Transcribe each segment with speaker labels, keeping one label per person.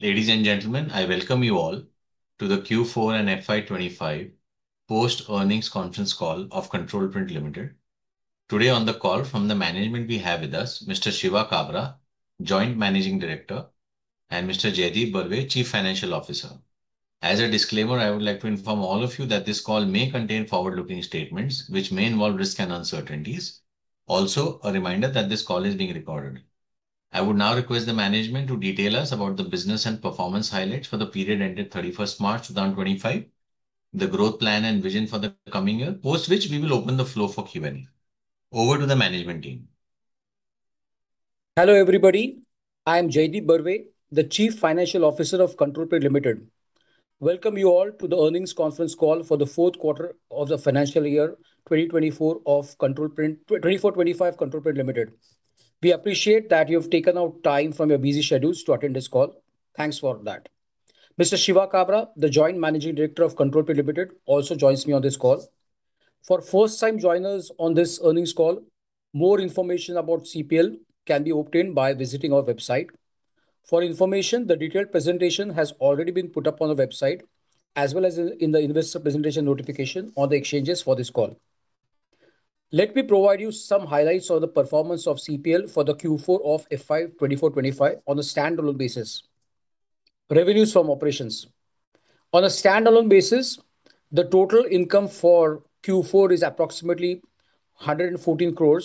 Speaker 1: Ladies and gentlemen, I Welcome you all to the Q4 and FY25 post-earnings conference call of Control Print Limited. Today, on the call from the management, we have with us Mr. Shiva Kabra, Joint Managing Director, and Mr. Jaideep Barve, Chief Financial Officer. As a disclaimer, I would like to inform all of you that this call may contain forward-looking statements which may involve risk and uncertainties. Also, a reminder that this call is being recorded. I would now request the management to detail us about the business and performance highlights for the period ended 31st March 2025, the growth plan and vision for the coming year, post which we will open the floor for Q&A. Over to the management team.
Speaker 2: Hello everybody. I am Jaideep Barve, the Chief Financial Officer of Control Print Limited. Welcome you all to the earnings conference call for the fourth quarter of the financial year 2024 of Control Print 2024 2025 Control Print Limited. We appreciate that you have taken out time from your busy schedules to attend this call. Thanks for that. Mr. Shiva Kabra, the Joint Managing Director of Control Print Limited, also joins me on this call. For first-time joiners on this earnings call, more information about CPL can be obtained by visiting our website. For information, the detailed presentation has already been put up on the website, as well as in the investor presentation notification on the exchanges for this call. Let me provide you some highlights of the performance of CPL for the Q4 of FY 2024-2025 on a standalone basis. Revenues from operations. On a standalone basis, the total income for Q4 is approximately 114 crore,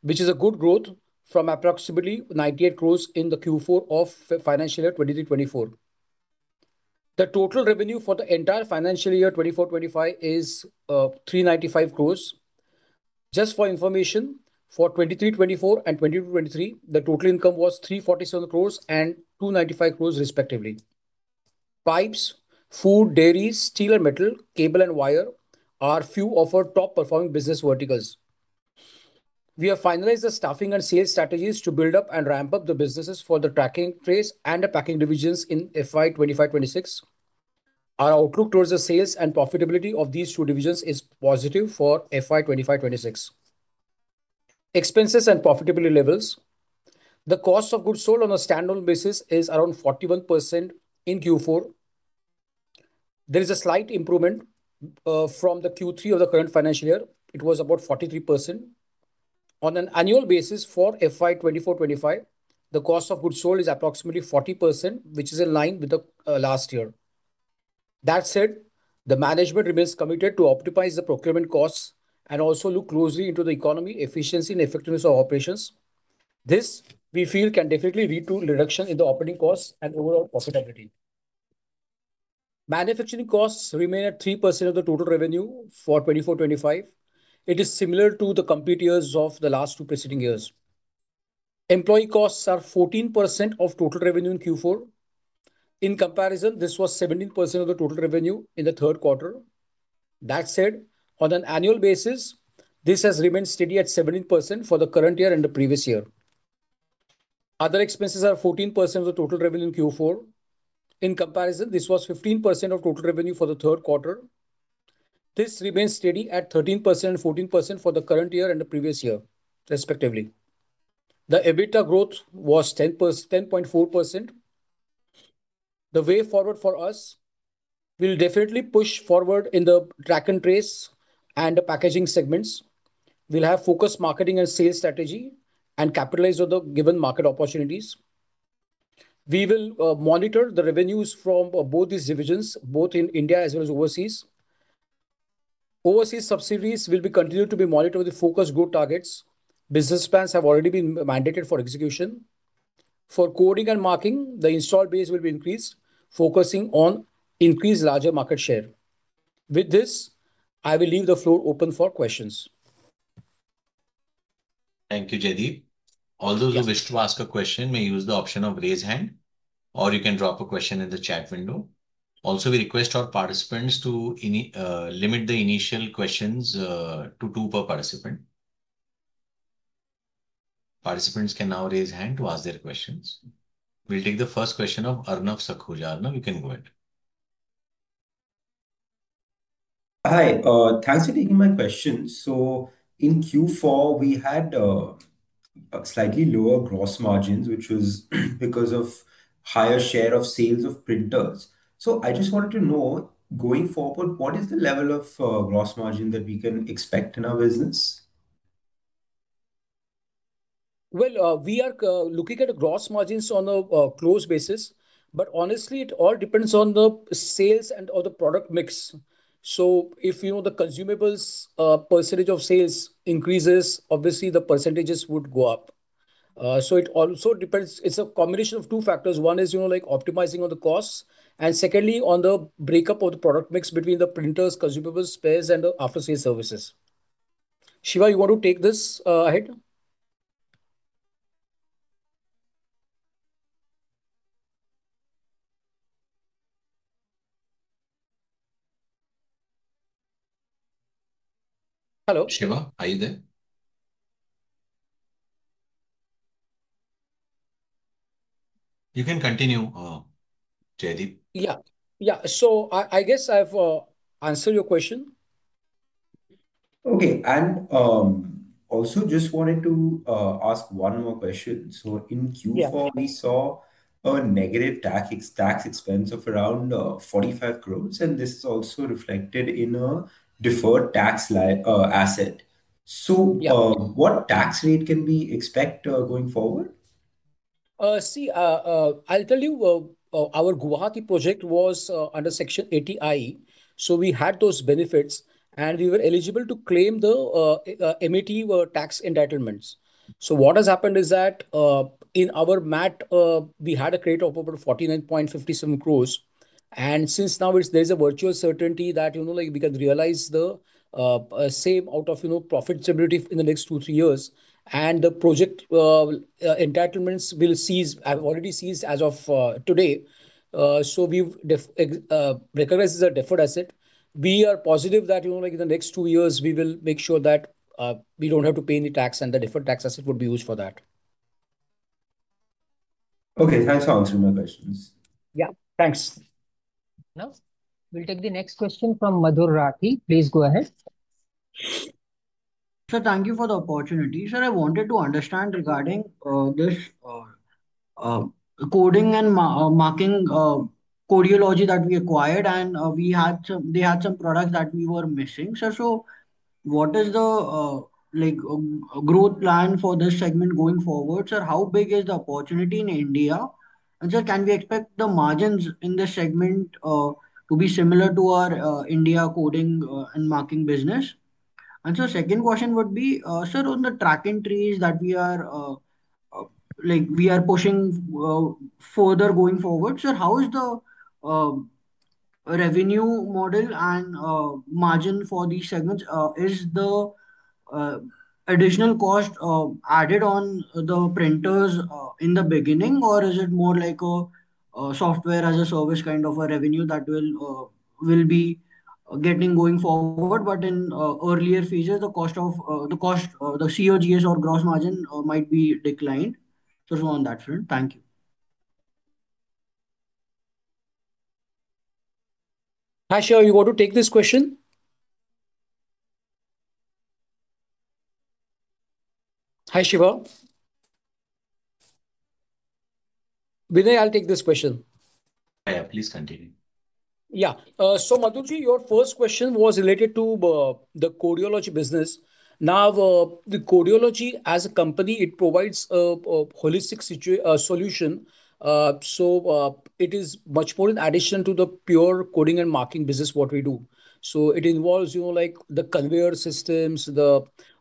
Speaker 2: which is a good growth from approximately 98 crore in the Q4 of financial year 2023-2024. The total revenue for the entire financial year 2024-2025 is 395 crore. Just for information, for 2023-2024 and 2022-2023, the total income was 347 crore and 295 crore, respectively. Pipes, food, dairies, steel and metal, cable and wire are few of our top-performing business verticals. We have finalized the staffing and sales strategies to build up and ramp up the businesses for the tracking phase and the packing divisions in FY 2025-2026. Our outlook towards the sales and profitability of these two divisions is positive for FY 2025-2026. Expenses and profitability levels. The cost of goods sold on a standalone basis is around 41% in Q4. There is a slight improvement from the Q3 of the current financial year. It was about 43%. On an annual basis for FY 2024-2025, the cost of goods sold is approximately 40%, which is in line with last year. That said, the management remains committed to optimize the procurement costs and also look closely into the economy, efficiency, and effectiveness of operations. This, we feel, can definitely lead to a reduction in the operating costs and overall profitability. Manufacturing costs remain at 3% of the total revenue for 2024-2025. It is similar to the complete years of the last two preceding years. Employee costs are 14% of total revenue in Q4. In comparison, this was 17% of the total revenue in the third quarter. That said, on an annual basis, this has remained steady at 17% for the current year and the previous year. Other expenses are 14% of the total revenue in Q4. In comparison, this was 15% of total revenue for the third quarter. This remains steady at 13% and 14% for the current year and the previous year, respectively. The EBITDA growth was 10.4%. The way forward for us will definitely push forward in the Track and Trace and the Packaging segments. We will have focused marketing and sales strategy and capitalize on the given market opportunities. We will monitor the revenues from both these divisions, both in India as well as overseas. Overseas subsidiaries will continue to be monitored with focused good targets. Business plans have already been mandated for execution. For Coding and Marking, the install base will be increased, focusing on increasing the larger market share. With this, I will leave the floor open for questions.
Speaker 1: Thank you, Jaideep. All those who wish to ask a question may use the option of raise hand, or you can drop a question in the chat window. Also, we request our participants to limit the initial questions to two per participant. Participants can now raise hand to ask their questions. We'll take the first question of Arnav Sakhuja. You can go ahead.
Speaker 3: Hi. Thanks for taking my question. In Q4, we had slightly lower gross margins, which was because of a higher share of sales of printers. I just wanted to know, going forward, what is the level of gross margin that we can expect in our business?
Speaker 2: We are looking at gross margins on a close basis. Honestly, it all depends on the sales and the product mix. If the consumables percentage of sales increases, obviously, the percentages would go up. It also depends. It's a combination of two factors. One is optimizing on the costs. Secondly, on the breakup of the product mix between the printers, consumables, spares, and the after-sales services. Shiva, you want to take this ahead?
Speaker 1: Hello? Shiva, are you there? You can continue, Jaideep.
Speaker 2: Yeah. Yeah. I guess I've answered your question.
Speaker 3: Okay. Also, just wanted to ask one more question. In Q4, we saw a negative tax expense of around 45 crore, and this is also reflected in a deferred tax asset. What tax rate can we expect going forward?
Speaker 2: See, I'll tell you, our Guwahati project was under Section 80IE. We had those benefits, and we were eligible to claim the MAT tax entitlements. What has happened is that in our MAT, we had a credit of about 49.57 crore. Since now, there's a virtual certainty that we can realize the same out of profitability in the next two-three years, and the project entitlements will cease, have already ceased as of today. We recognize the deferred tax asset. We are positive that in the next two years, we will make sure that we don't have to pay any tax, and the deferred tax asset would be used for that.
Speaker 3: Okay. Thanks for answering my questions.
Speaker 2: Yeah. Thanks.
Speaker 1: Now, we'll take the next question from Madhur Rathi. Please go ahead.
Speaker 4: Sir, thank you for the opportunity. Sir, I wanted to understand regarding this coding and marking Codeology that we acquired, and they had some products that we were missing. Sir, what is the growth plan for this segment going forward? Sir, how big is the opportunity in India? Sir, can we expect the margins in this segment to be similar to our India coding and marking business? Sir, second question would be, on the Track and Trace that we are pushing further going forward, how is the revenue model and margin for these segments? Is the additional cost added on the printers in the beginning, or is it more like a software-as-a-service kind of a revenue that will be getting going forward? In earlier phases, the cost of the COGS or gross margin might be declined. On that front, thank you.
Speaker 2: Hi, Shiva. You want to take this question? Hi, Shiva. Vinay, I'll take this question.
Speaker 1: Yeah, please continue.
Speaker 2: Yeah. So Madhurji, your first question was related to the Codeology business. Now, the Codeology as a company, it provides a holistic solution. It is much more in addition to the pure coding and marking business, what we do. It involves the conveyor systems,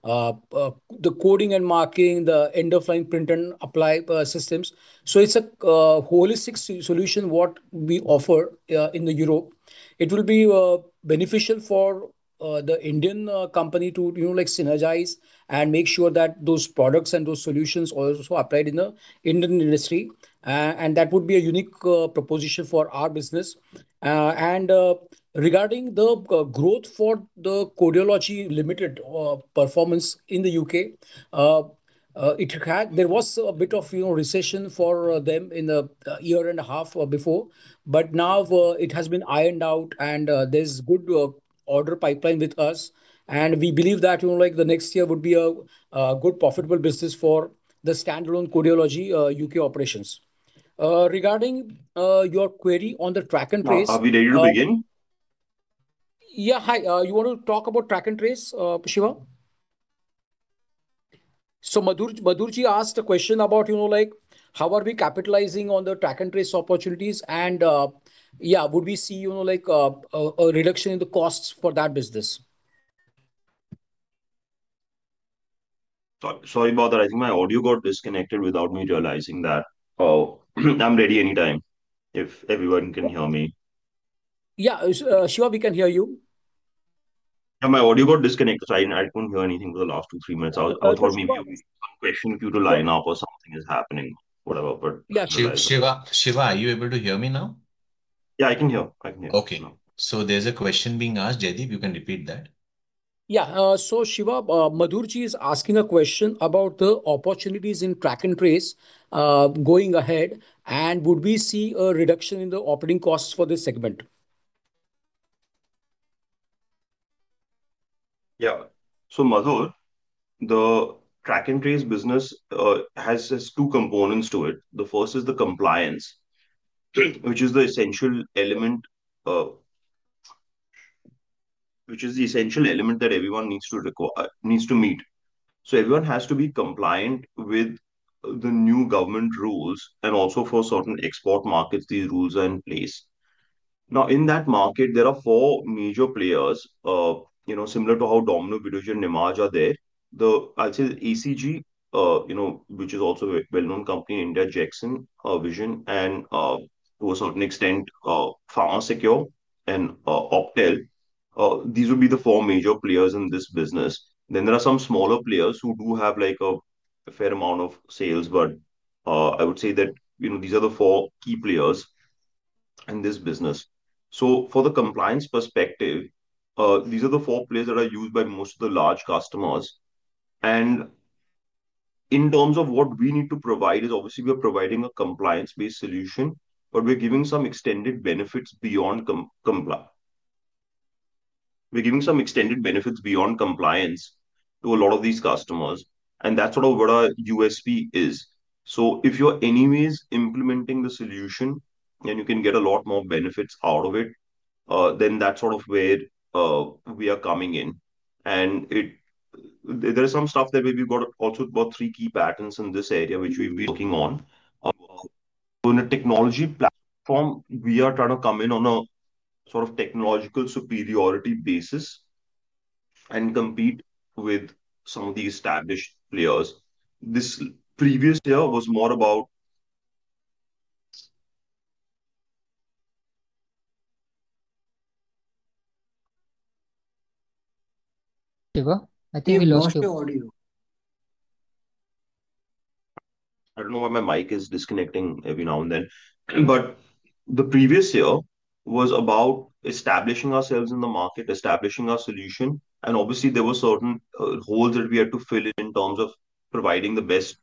Speaker 2: the coding and marking, the end-of-line print and apply systems. It is a holistic solution what we offer in Europe. It will be beneficial for the Indian company to synergize and make sure that those products and those solutions also are applied in the Indian industry. That would be a unique proposition for our business. Regarding the growth for the Codeology Limited performance in the U.K., there was a bit of recession for them in the year and a half before. Now it has been ironed out, and there is good order pipeline with us. We believe that the next year would be a good, profitable business for the standalone Codeology U.K. operations. Regarding your query on the Track and Trace.
Speaker 5: Are we ready to begin?
Speaker 2: Yeah. Hi. You want to talk about Track and Trace, Shiva? So Madhurji asked a question about how are we capitalizing on the Track and Trace opportunities? Yeah, would we see a reduction in the costs for that business?
Speaker 5: Sorry about that. I think my audio got disconnected without me realizing that. I'm ready anytime if everyone can hear me.
Speaker 2: Yeah. Shiva, we can hear you.
Speaker 5: Yeah, my audio got disconnected. I couldn't hear anything for the last two, three minutes. I thought maybe one question due to lineup or something is happening, whatever.
Speaker 2: Yeah. Shiva, are you able to hear me now?
Speaker 5: Yeah, I can hear. I can hear. Okay.
Speaker 1: There's a question being asked. Jaideep, you can repeat that.
Speaker 2: Yeah. Shiva, Madhurji is asking a question about the opportunities in Track and Trace going ahead, and would we see a reduction in the operating costs for this segment?
Speaker 5: Yeah. So Madhur, the Track and Trace business has two components to it. The first is the compliance, which is the essential element, which is the essential element that everyone needs to meet. Everyone has to be compliant with the new government rules, and also for certain export markets, these rules are in place. In that market, there are four major players similar to how Domino, Videojet, and Imaje are there. I'd say ACG, which is also a well-known company in India, Jekson Vision, and to a certain extent, PharmaSecure and OPTEL. These would be the four major players in this business. There are some smaller players who do have a fair amount of sales, but I would say that these are the four key players in this business. For the compliance perspective, these are the four players that are used by most of the large customers. In terms of what we need to provide, obviously, we are providing a compliance-based solution, but we're giving some extended benefits beyond compliance. We're giving some extended benefits beyond compliance to a lot of these customers. That's sort of what a USP is. If you're anyways implementing the solution and you can get a lot more benefits out of it, then that's sort of where we are coming in. There is some stuff that maybe got also about three key patterns in this area, which we'll be looking on. On a technology platform, we are trying to come in on a sort of technological superiority basis and compete with some of the established players. This previous year was more about.
Speaker 4: Shiva, I think we lost you.
Speaker 5: I don't know why my mic is disconnecting every now and then. The previous year was about establishing ourselves in the market, establishing our solution. Obviously, there were certain holes that we had to fill in terms of providing the best.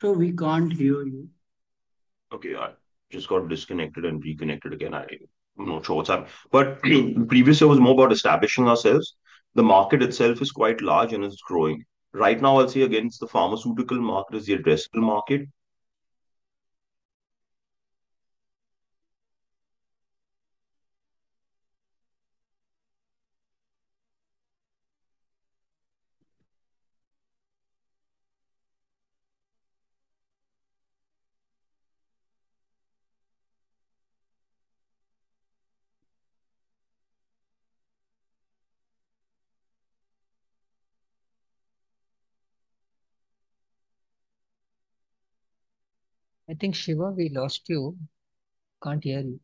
Speaker 4: Sir, we can't hear you.
Speaker 5: Okay. I just got disconnected and reconnected again. I'm not sure what's happened. Previously, it was more about establishing ourselves. The market itself is quite large and is growing. Right now, I'll say against the pharmaceutical market is the addressable market.
Speaker 4: I think, Shiva, we lost you. Can't hear you.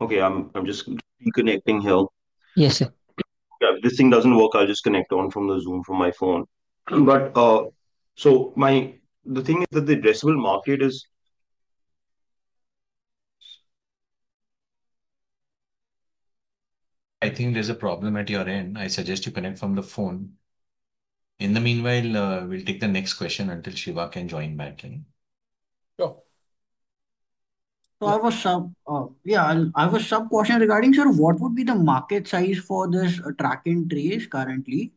Speaker 5: Okay. I'm just reconnecting, hill.
Speaker 4: Yes, sir.
Speaker 5: Yeah. If this thing doesn't work, I'll just connect on from the Zoom from my phone. The thing is that the addressable market is.
Speaker 1: I think there's a problem at your end. I suggest you connect from the phone. In the meanwhile, we'll take the next question until Shiva can join back in.
Speaker 2: Sure.
Speaker 5: I have a sub-question regarding, sir, what would be the market size for this Track and Trace currently?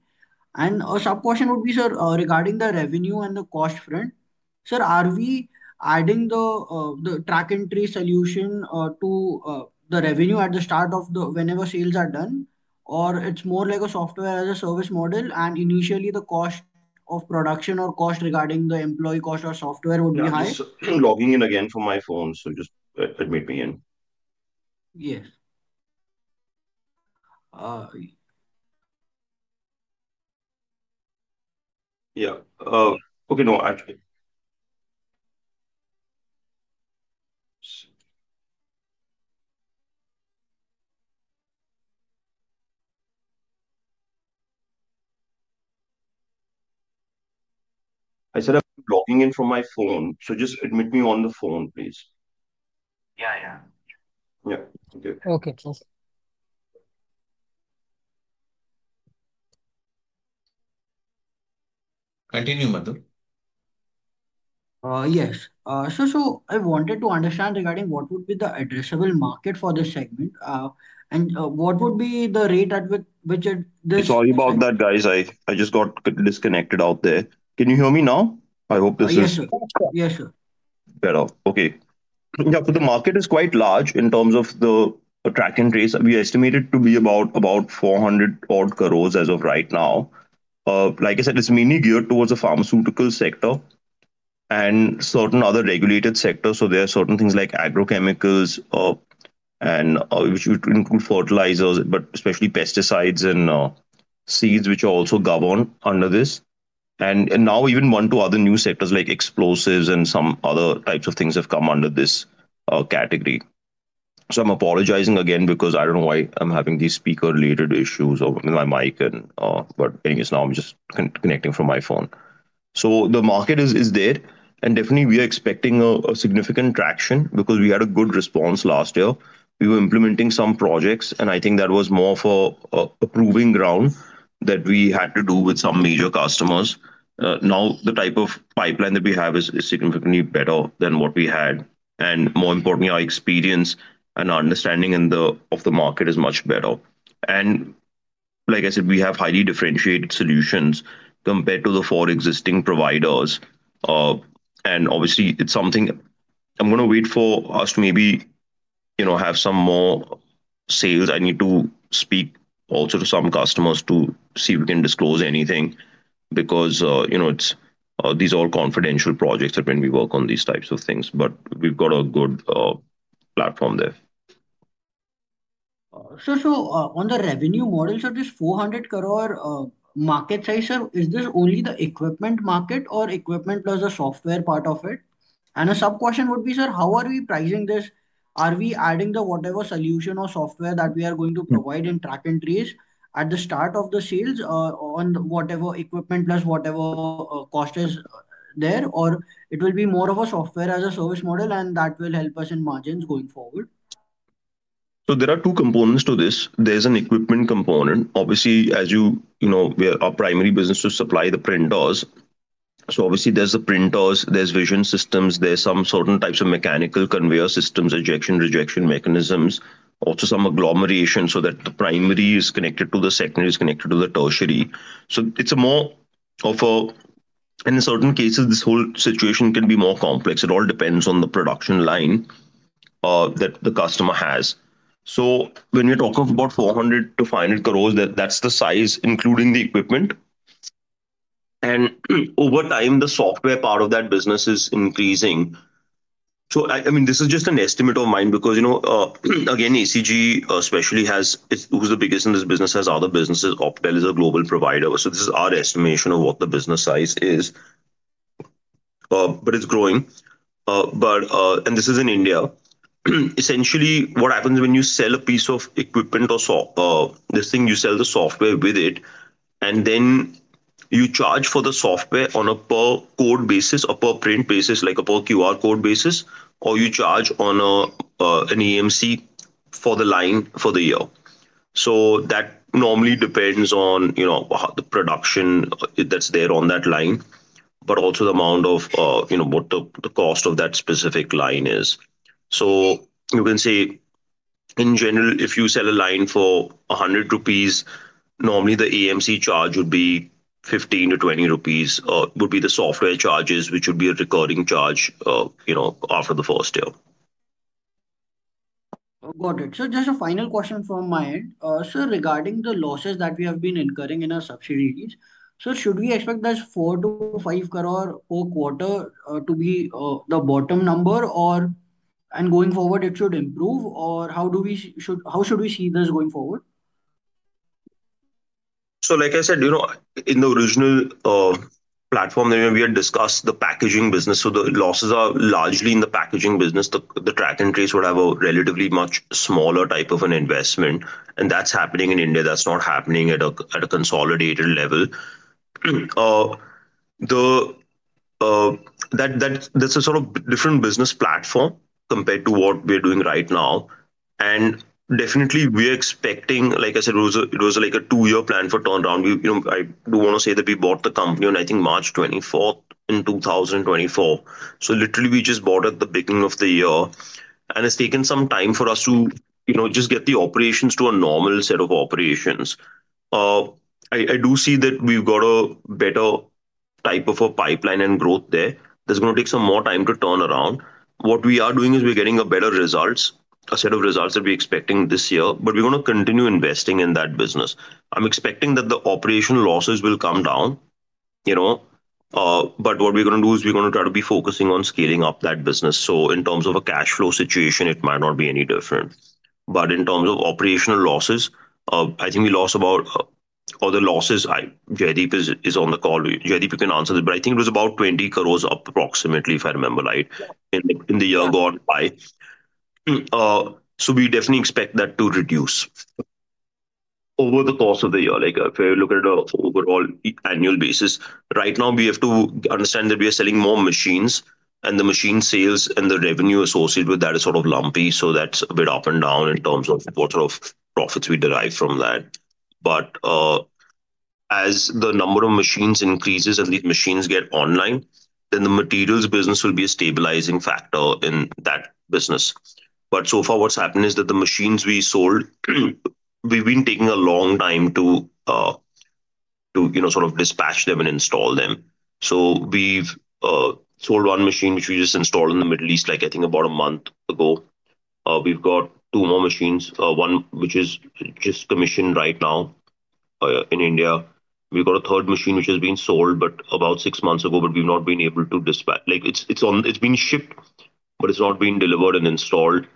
Speaker 5: A sub-question would be, sir, regarding the revenue and the cost front. Sir, are we adding the Track and Trace solution to the revenue at the start of whenever sales are done, or it's more like a Software-as-a-Service model? Initially, the cost of production or cost regarding the employee cost or software would be high? Logging in again from my phone. Just admit me in.
Speaker 2: Yes.
Speaker 5: Yeah. Okay. No, actually. I said I'm logging in from my phone. So just admit me on the phone, please.
Speaker 1: Yeah, yeah.
Speaker 5: Yeah. Okay.
Speaker 4: Okay. Thanks.
Speaker 5: Continue, Madhur.
Speaker 4: Yes. Shiva, I wanted to understand regarding what would be the addressable market for this segment and what would be the rate at which this.
Speaker 5: Sorry about that, guys. I just got disconnected out there. Can you hear me now? I hope this is.
Speaker 4: Yes, sir. Yes, sir.
Speaker 5: Better. Okay. Yeah. The market is quite large in terms of the Track and Trace. We estimate it to be about 400-odd crore as of right now. Like I said, it's mainly geared towards the pharmaceutical sector and certain other regulated sectors. There are certain things like agrochemicals, which include fertilizers, but especially pesticides and seeds, which are also governed under this. Now, even one or two other new sectors like explosives and some other types of things have come under this category. I'm apologizing again because I don't know why I'm having these speaker-related issues with my mic. Anyways, now I'm just connecting from my phone. The market is there. Definitely, we are expecting significant traction because we had a good response last year. We were implementing some projects, and I think that was more for a proving ground that we had to do with some major customers. Now, the type of pipeline that we have is significantly better than what we had. More importantly, our experience and understanding of the market is much better. Like I said, we have highly differentiated solutions compared to the four existing providers. Obviously, it's something I'm going to wait for us to maybe have some more sales. I need to speak also to some customers to see if we can disclose anything because these are all confidential projects when we work on these types of things. We've got a good platform there.
Speaker 4: Shiva, on the revenue model, sir, this 400-crore market size, sir, is this only the equipment market or equipment plus the software part of it? A sub-question would be, sir, how are we pricing this? Are we adding the whatever solution or software that we are going to provide in Track and Trace at the start of the sales on whatever equipment plus whatever cost is there? Or it will be more of a software-as-a-service model, and that will help us in margins going forward?
Speaker 5: There are two components to this. There is an equipment component. Obviously, as you know, our primary business is to supply the printers. So obviously, there are the printers. There are vision systems. There are certain types of mechanical conveyor systems, ejection rejection mechanisms, also some agglomeration so that the primary is connected to the secondary, is connected to the tertiary. In certain cases, this whole situation can be more complex. It all depends on the production line that the customer has. When we talk of about 400 crore-500 crore, that is the size, including the equipment. Over time, the software part of that business is increasing. I mean, this is just an estimate of mine because, again, ACG especially, who is the biggest in this business, has other businesses. OPTEL is a global provider. This is our estimation of what the business size is. But it's growing. And this is in India. Essentially, what happens when you sell a piece of equipment or this thing, you sell the software with it, and then you charge for the software on a per code basis, a per print basis, like a per QR code basis, or you charge on an AMC for the line for the year. That normally depends on the production that's there on that line, but also the amount of what the cost of that specific line is. You can say, in general, if you sell a line for 100 rupees, normally the AMC charge would be 15-20 rupees would be the software charges, which would be a recurring charge after the first year.
Speaker 4: Got it. Just a final question from my end. Sir, regarding the losses that we have been incurring in our subsidiaries, sir, should we expect this 4-5 crore per quarter to be the bottom number, and going forward, it should improve? Or how should we see this going forward?
Speaker 5: Like I said, in the original platform, we had discussed the packaging business. The losses are largely in the packaging business. The Track and Trace would have a relatively much smaller type of an investment. That is happening in India. That is not happening at a consolidated level. That is a sort of different business platform compared to what we are doing right now. Definitely, we are expecting, like I said, it was a two-year plan for turnaround. I do want to say that we bought the company on March 24 in 2024. Literally, we just bought at the beginning of the year. It has taken some time for us to just get the operations to a normal set of operations. I do see that we have got a better type of a pipeline and growth there. It is going to take some more time to turn around. What we are doing is we're getting better results, a set of results that we're expecting this year. We're going to continue investing in that business. I'm expecting that the operational losses will come down. What we're going to do is we're going to try to be focusing on scaling up that business. In terms of a cash flow situation, it might not be any different. In terms of operational losses, I think we lost about, other losses. Jaideep is on the call. Jaideep, you can answer this. I think it was about 20 crore approximately, if I remember right, in the year gone by. We definitely expect that to reduce over the course of the year, if we look at an overall annual basis. Right now, we have to understand that we are selling more machines, and the machine sales and the revenue associated with that is sort of lumpy. That is a bit up and down in terms of what sort of profits we derive from that. As the number of machines increases and these machines get online, then the materials business will be a stabilizing factor in that business. So far, what's happened is that the machines we sold, we've been taking a long time to sort of dispatch them and install them. We've sold one machine, which we just installed in the Middle East, I think about a month ago. We've got two more machines, one which is just commissioned right now in India. We've got a third machine which has been sold about six months ago, but we've not been able to dispatch. It's been shipped, but it's not been delivered and installed.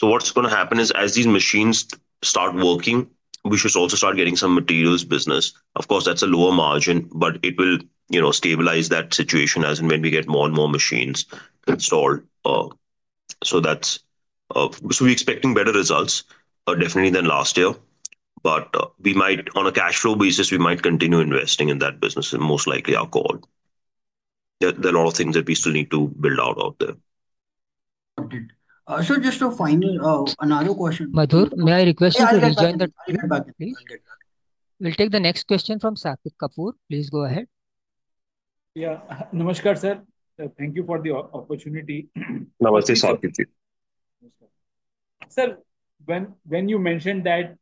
Speaker 5: What's going to happen is, as these machines start working, we should also start getting some materials business. Of course, that's a lower margin, but it will stabilize that situation as and when we get more and more machines installed. We're expecting better results, definitely than last year. On a cash flow basis, we might continue investing in that business, most likely our call. There are a lot of things that we still need to build out of there.
Speaker 1: Got it. Sir, just a final another question. Madhur, may I request you to join the we'll take the next question from Shaket Kapoor. Please go ahead.
Speaker 6: Yeah. Namaskar, sir. Thank you for the opportunity.
Speaker 5: Namaste, Sapit ji.
Speaker 6: Namaskar. Sir, when you mentioned that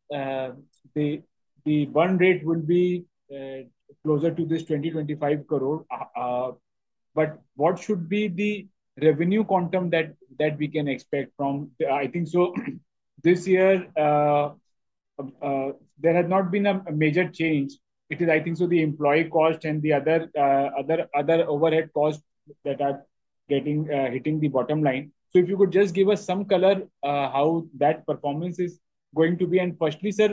Speaker 6: the burn rate will be closer to this 20-25 crore, what should be the revenue quantum that we can expect from? I think this year, there has not been a major change. It is, I think, the employee cost and the other overhead costs that are hitting the bottom line. If you could just give us some color how that performance is going to be. Firstly, sir.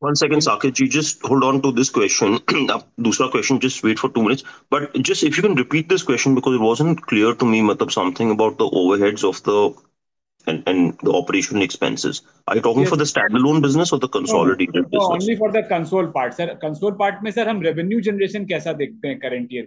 Speaker 5: One second, Shaket. You just hold on to this question. Now, the second question, just wait for two minutes. If you can repeat this question because it was not clear to me something about the overheads and the operational expenses. Are you talking for the standalone business or the consolidated business?
Speaker 6: Only for the console part, sir. Console part, sir, how revenue generation is current year?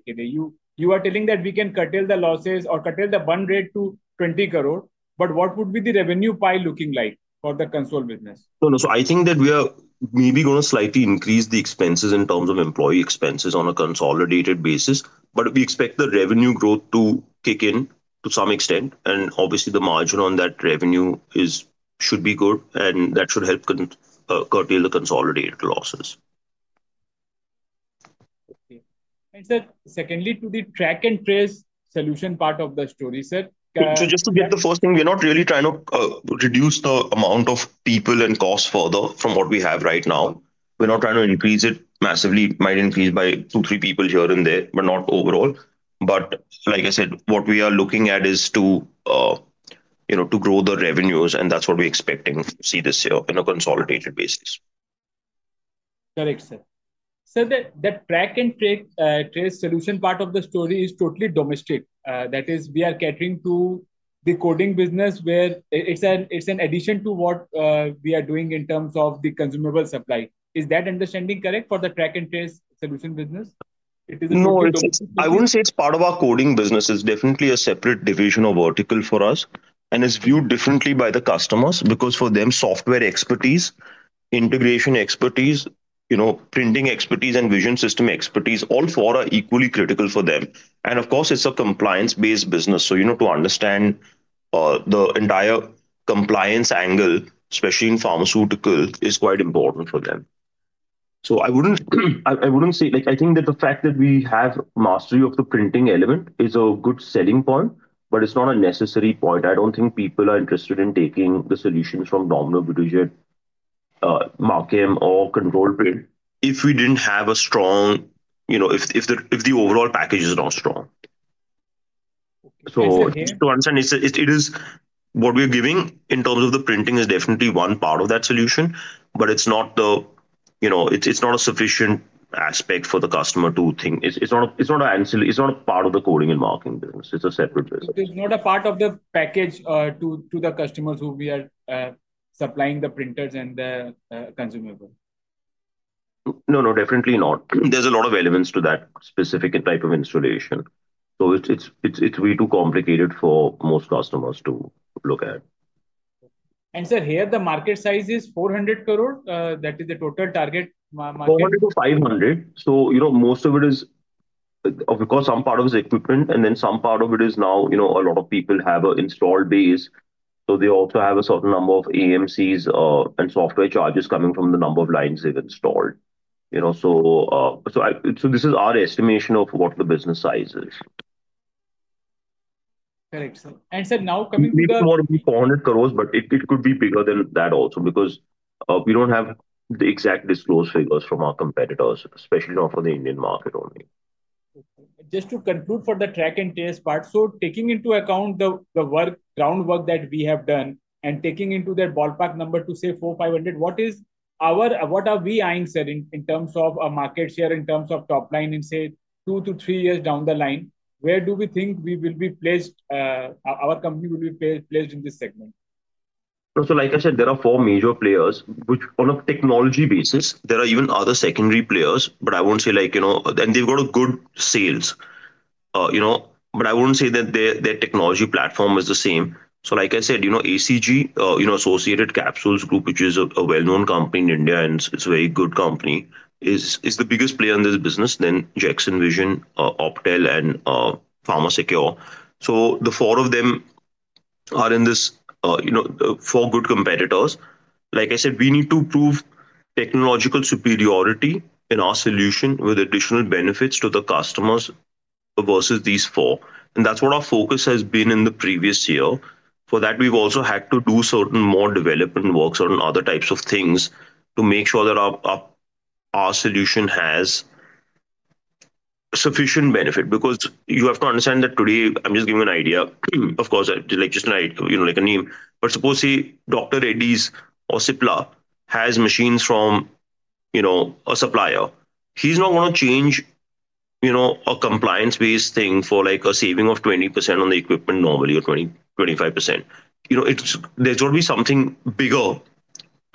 Speaker 6: You are telling that we can curtail the losses or curtail the burn rate to 20 crore. What would be the revenue pie looking like for the console business?
Speaker 5: No, no. I think that we are maybe going to slightly increase the expenses in terms of employee expenses on a consolidated basis. We expect the revenue growth to kick in to some extent. Obviously, the margin on that revenue should be good. That should help curtail the consolidated losses.
Speaker 6: Sir, secondly, to the Track and Trace solution part of the story, sir.
Speaker 5: Just to get the first thing, we're not really trying to reduce the amount of people and cost further from what we have right now. We're not trying to increase it massively. It might increase by two, three people here and there, but not overall. Like I said, what we are looking at is to grow the revenues. That's what we're expecting to see this year on a consolidated basis.
Speaker 6: Correct, sir. Sir, the Track and Trace solution part of the story is totally domestic. That is, we are catering to the coding business where it's an addition to what we are doing in terms of the consumable supply. Is that understanding correct for the Track and Trace solution business? It is a total.
Speaker 5: I wouldn't say it's part of our coding business. It's definitely a separate division or vertical for us. It's viewed differently by the customers because for them, software expertise, integration expertise, printing expertise, and vision system expertise, all four are equally critical for them. It's a compliance-based business. To understand the entire compliance angle, especially in pharmaceutical, is quite important for them. I wouldn't say I think that the fact that we have mastery of the printing element is a good selling point, but it's not a necessary point. I don't think people are interested in taking the solutions from Domino, Videojet, Markem, or Control Print if we didn't have a strong—if the overall package is not strong. To understand, what we are giving in terms of the printing is definitely one part of that solution. It is not a sufficient aspect for the customer to think. It is not a part of the coding and marking business. It is a separate business.
Speaker 6: It is not a part of the package to the customers who we are supplying the printers and the consumables.
Speaker 5: No, no, definitely not. There's a lot of elements to that specific type of installation. So it's way too complicated for most customers to look at.
Speaker 6: Sir, here, the market size is 400 crore. That is the total target market.
Speaker 5: 400 crores-500 crore. Most of it is, of course, some part of it is equipment. Then some part of it is now a lot of people have an installed base. They also have a certain number of AMCs and software charges coming from the number of lines they've installed. This is our estimation of what the business size is.
Speaker 6: Correct, sir. Now, coming to the.
Speaker 5: It's more than 400 crore, but it could be bigger than that also because we don't have the exact disclosed figures from our competitors, especially not for the Indian market only.
Speaker 6: Just to conclude for the Track and Trace part, so taking into account the groundwork that we have done and taking into the ballpark number to say 400 crore, 500 crore, what are we eyeing, sir, in terms of a market share, in terms of top line in, say, two to three years down the line? Where do we think we will be placed? Our company will be placed in this segment?
Speaker 5: Like I said, there are four major players. On a technology basis, there are even other secondary players, but I would not say they have good sales. I would not say that their technology platform is the same. Like I said, ACG, Associated Capsules Group, which is a well-known company in India and a very good company, is the biggest player in this business, then Jekson Vision, OPTEL, and PharmaSecure. The four of them are four good competitors. Like I said, we need to prove technological superiority in our solution with additional benefits to the customers versus these four. That is what our focus has been in the previous year. For that, we have also had to do certain more development work, certain other types of things to make sure that our solution has sufficient benefit. Because you have to understand that today, I'm just giving you an idea. Of course, just like a name. But suppose say Dr. Reddy's or Cipla has machines from a supplier. He's not going to change a compliance-based thing for a saving of 20% on the equipment normally or 25%. There's going to be something bigger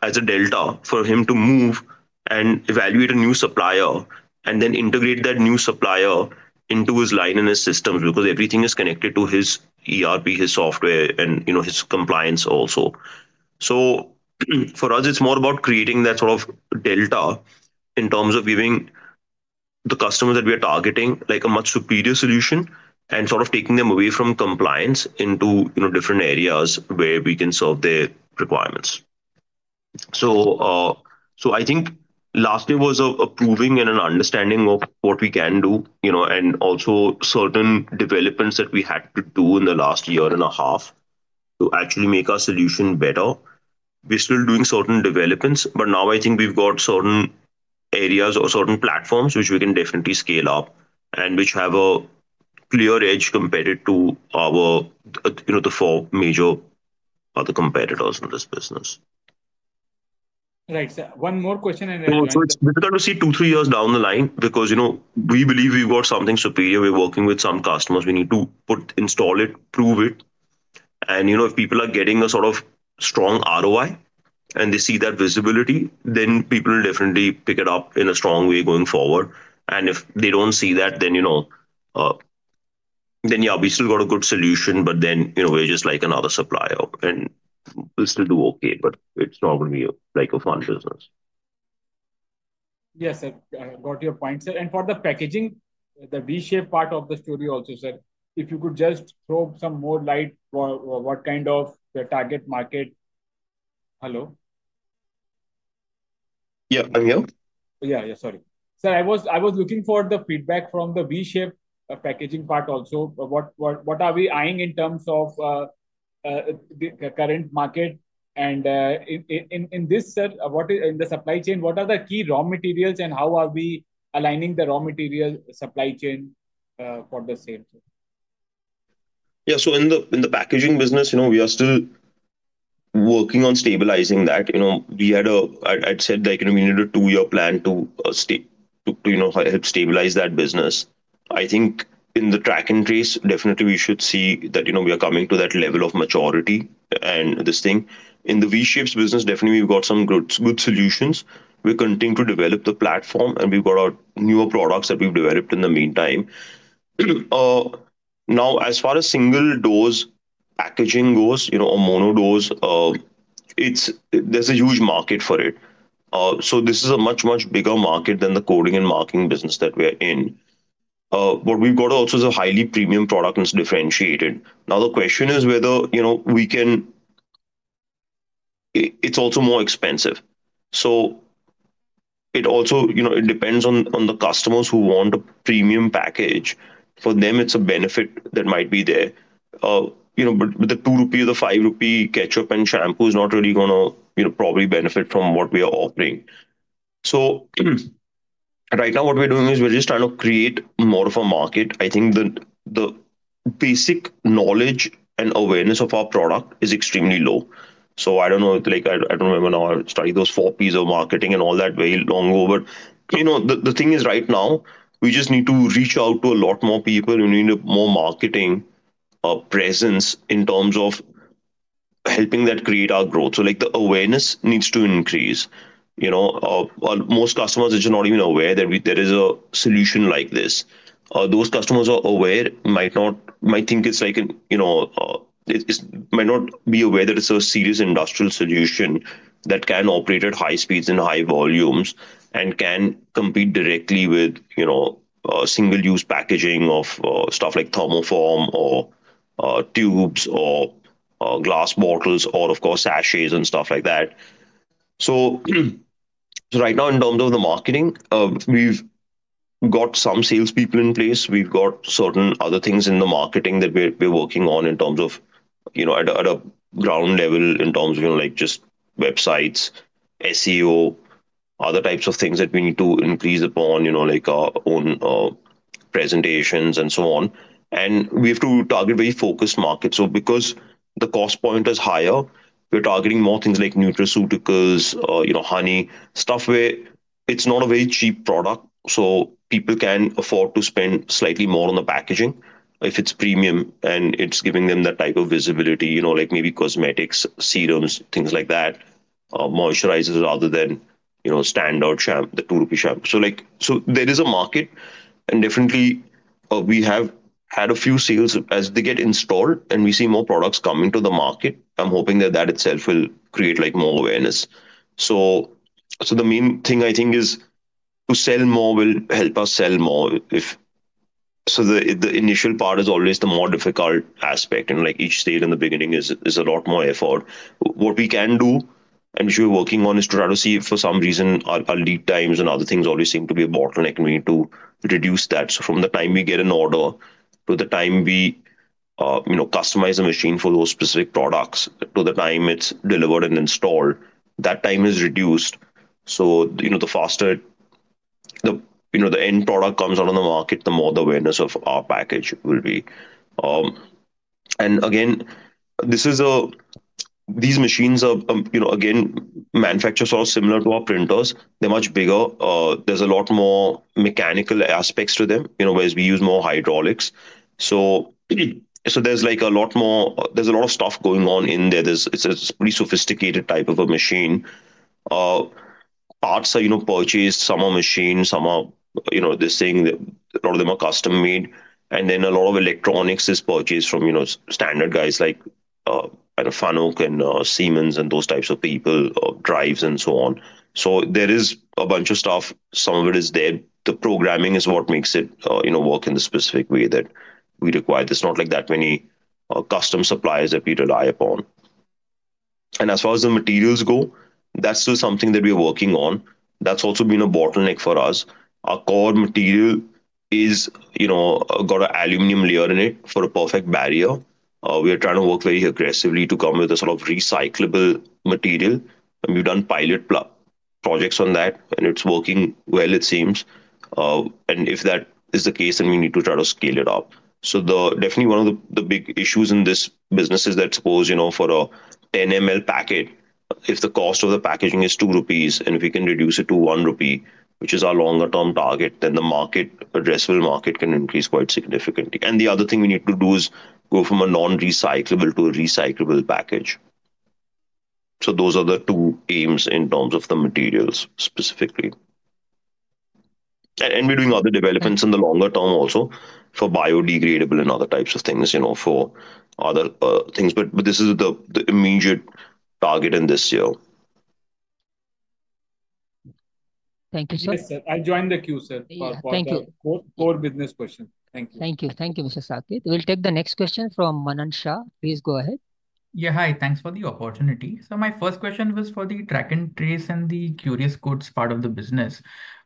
Speaker 5: as a delta for him to move and evaluate a new supplier and then integrate that new supplier into his line and his systems because everything is connected to his ERP, his software, and his compliance also. For us, it's more about creating that sort of delta in terms of giving the customers that we are targeting a much superior solution and sort of taking them away from compliance into different areas where we can serve their requirements. I think last year was a proving and an understanding of what we can do and also certain developments that we had to do in the last year and a half to actually make our solution better. We're still doing certain developments. Now I think we've got certain areas or certain platforms which we can definitely scale up and which have a clear edge compared to the four major other competitors in this business.
Speaker 6: Right. One more question.
Speaker 5: It is difficult to see two, three years down the line because we believe we have got something superior. We are working with some customers. We need to install it, prove it. If people are getting a sort of strong ROI and they see that visibility, then people will definitely pick it up in a strong way going forward. If they do not see that, then yeah, we still have a good solution, but then we are just like another supplier and we will still do okay. It is not going to be a fun business.
Speaker 6: Yes, sir. I got your point, sir. For the packaging, the V-Shape part of the story also, sir, if you could just throw some more light, what kind of target market? Hello?
Speaker 5: Yeah, I'm here.
Speaker 6: Yeah, yeah. Sorry. Sir, I was looking for the feedback from the V-Shape packaging part also. What are we eyeing in terms of the current market? In this, sir, in the supply chain, what are the key raw materials and how are we aligning the raw material supply chain for the sale?
Speaker 5: Yeah. In the packaging business, we are still working on stabilizing that. I had said we needed a two-year plan to help stabilize that business. I think in the Track and Trace, definitely, we should see that we are coming to that level of maturity and this thing. In the V-Shapes business, definitely, we have got some good solutions. We are continuing to develop the platform, and we have got our newer products that we have developed in the meantime. Now, as far as single-dose packaging goes or mono-dose, there is a huge market for it. This is a much, much bigger market than the coding and marking business that we are in. What we have got also is a highly premium product and it is differentiated. Now, the question is whether we can—it is also more expensive. It depends on the customers who want a premium package. For them, it's a benefit that might be there. But the 2 rupee or the 5 rupee ketchup and shampoo is not really going to probably benefit from what we are offering. Right now, what we're doing is we're just trying to create more of a market. I think the basic knowledge and awareness of our product is extremely low. I don't know. I don't remember now. I studied those four P's of marketing and all that very long ago. The thing is, right now, we just need to reach out to a lot more people. We need more marketing presence in terms of helping that create our growth. The awareness needs to increase. Most customers are just not even aware that there is a solution like this. Those customers who are aware might think it might not be aware that it's a serious industrial solution that can operate at high speeds and high volumes and can compete directly with single-use packaging of stuff like thermoform or tubes or glass bottles or, of course, sachets and stuff like that. Right now, in terms of the marketing, we've got some salespeople in place. We've got certain other things in the marketing that we're working on at a ground level in terms of just websites, SEO, other types of things that we need to increase upon like our own presentations and so on. We have to target very focused markets. Because the cost point is higher, we're targeting more things like nutraceuticals, honey, stuff where it's not a very cheap product. People can afford to spend slightly more on the packaging if it's premium and it's giving them that type of visibility, like maybe cosmetics, serums, things like that, moisturizers rather than standard, the 2 rupee shampoo. There is a market. Definitely, we have had a few sales as they get installed and we see more products coming to the market. I'm hoping that that itself will create more awareness. The main thing I think is to sell more will help us sell more. The initial part is always the more difficult aspect. Each stage in the beginning is a lot more effort. What we can do and we're working on is to try to see if for some reason our lead times and other things always seem to be a bottleneck and we need to reduce that. From the time we get an order to the time we customize a machine for those specific products to the time it is delivered and installed, that time is reduced. The faster the end product comes out on the market, the more the awareness of our package will be. These machines are manufactured sort of similar to our printers. They are much bigger. There is a lot more mechanical aspects to them whereas we use more hydraulics. There is a lot of stuff going on in there. It is a pretty sophisticated type of a machine. Parts are purchased. Some are machined. Some are, they are saying, a lot of them are custom-made. A lot of electronics is purchased from standard guys like Fanuc and Siemens and those types of people, drives, and so on. There is a bunch of stuff. Some of it is there. The programming is what makes it work in the specific way that we require. There are not that many custom suppliers that we rely upon. As far as the materials go, that is still something that we are working on. That has also been a bottleneck for us. Our core material has got an aluminum layer in it for a perfect barrier. We are trying to work very aggressively to come with a sort of recyclable material. We have done pilot projects on that, and it is working well, it seems. If that is the case, then we need to try to scale it up. Definitely, one of the big issues in this business is that suppose for a 10-ml packet, if the cost of the packaging is 2 rupees and we can reduce it to 1 rupee, which is our longer-term target, then the addressable market can increase quite significantly. The other thing we need to do is go from a non-recyclable to a recyclable package. Those are the two aims in terms of the materials specifically. We are doing other developments in the longer term also for biodegradable and other types of things for other things. This is the immediate target in this year.
Speaker 6: Thank you, sir. Yes, sir. I'll join the queue, sir, for the core business question. Thank you.
Speaker 1: Thank you. Thank you, Mr. Shaket. We'll take the next question from Manan Shah. Please go ahead.
Speaker 7: Yeah, hi. Thanks for the opportunity. My first question was for the Track and Trace and the QRiousCodes of the business.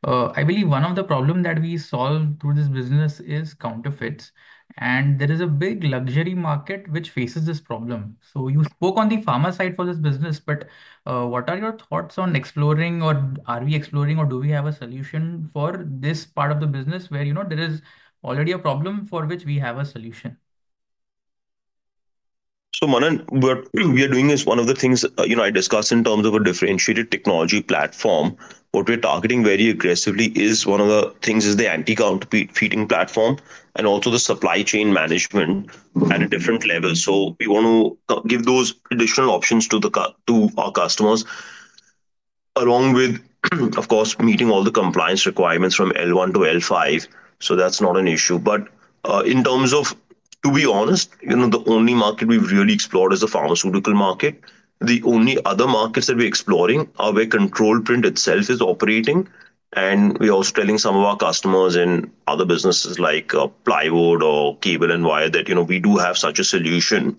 Speaker 7: I believe one of the problems that we solve through this business is counterfeits. There is a big luxury market which faces this problem. You spoke on the pharma side for this business, but what are your thoughts on exploring or are we exploring or do we have a solution for this part of the business where there is already a problem for which we have a solution?
Speaker 5: Manan, what we are doing is one of the things I discussed in terms of a differentiated technology platform. What we're targeting very aggressively is one of the things is the anti-counterfeiting platform and also the supply chain management at a different level. We want to give those additional options to our customers along with, of course, meeting all the compliance requirements from L1 to L5. That's not an issue. In terms of, to be honest, the only market we've really explored is the pharmaceutical market. The only other markets that we're exploring are where Control Print itself is operating. We are also telling some of our customers in other businesses like plywood or cable and wire that we do have such a solution.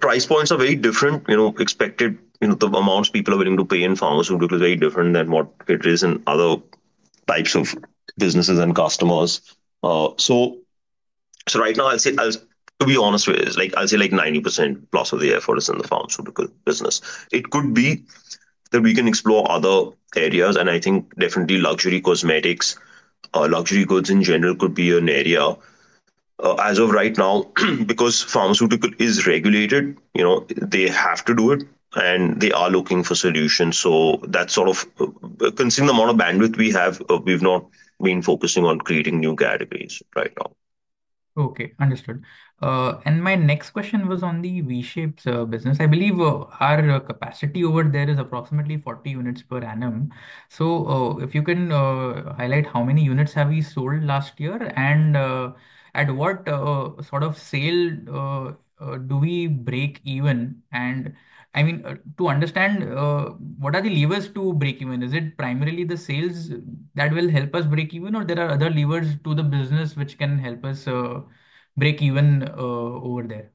Speaker 5: Price points are very different. Expected amounts people are willing to pay in pharmaceuticals are very different than what it is in other types of businesses and customers. Right now, to be honest with you, I'll say like 90%+ of the effort is in the pharmaceutical business. It could be that we can explore other areas. I think definitely luxury cosmetics, luxury goods in general could be an area. As of right now, because pharmaceutical is regulated, they have to do it, and they are looking for solutions. Considering the amount of bandwidth we have, we've not been focusing on creating new categories right now.
Speaker 7: Okay. Understood. My next question was on the V-Shapes business. I believe our capacity over there is approximately 40 units per annum. If you can highlight how many units have we sold last year and at what sort of sale do we break even? I mean, to understand what are the levers to break even? Is it primarily the sales that will help us break even, or are there other levers to the business which can help us break even over there?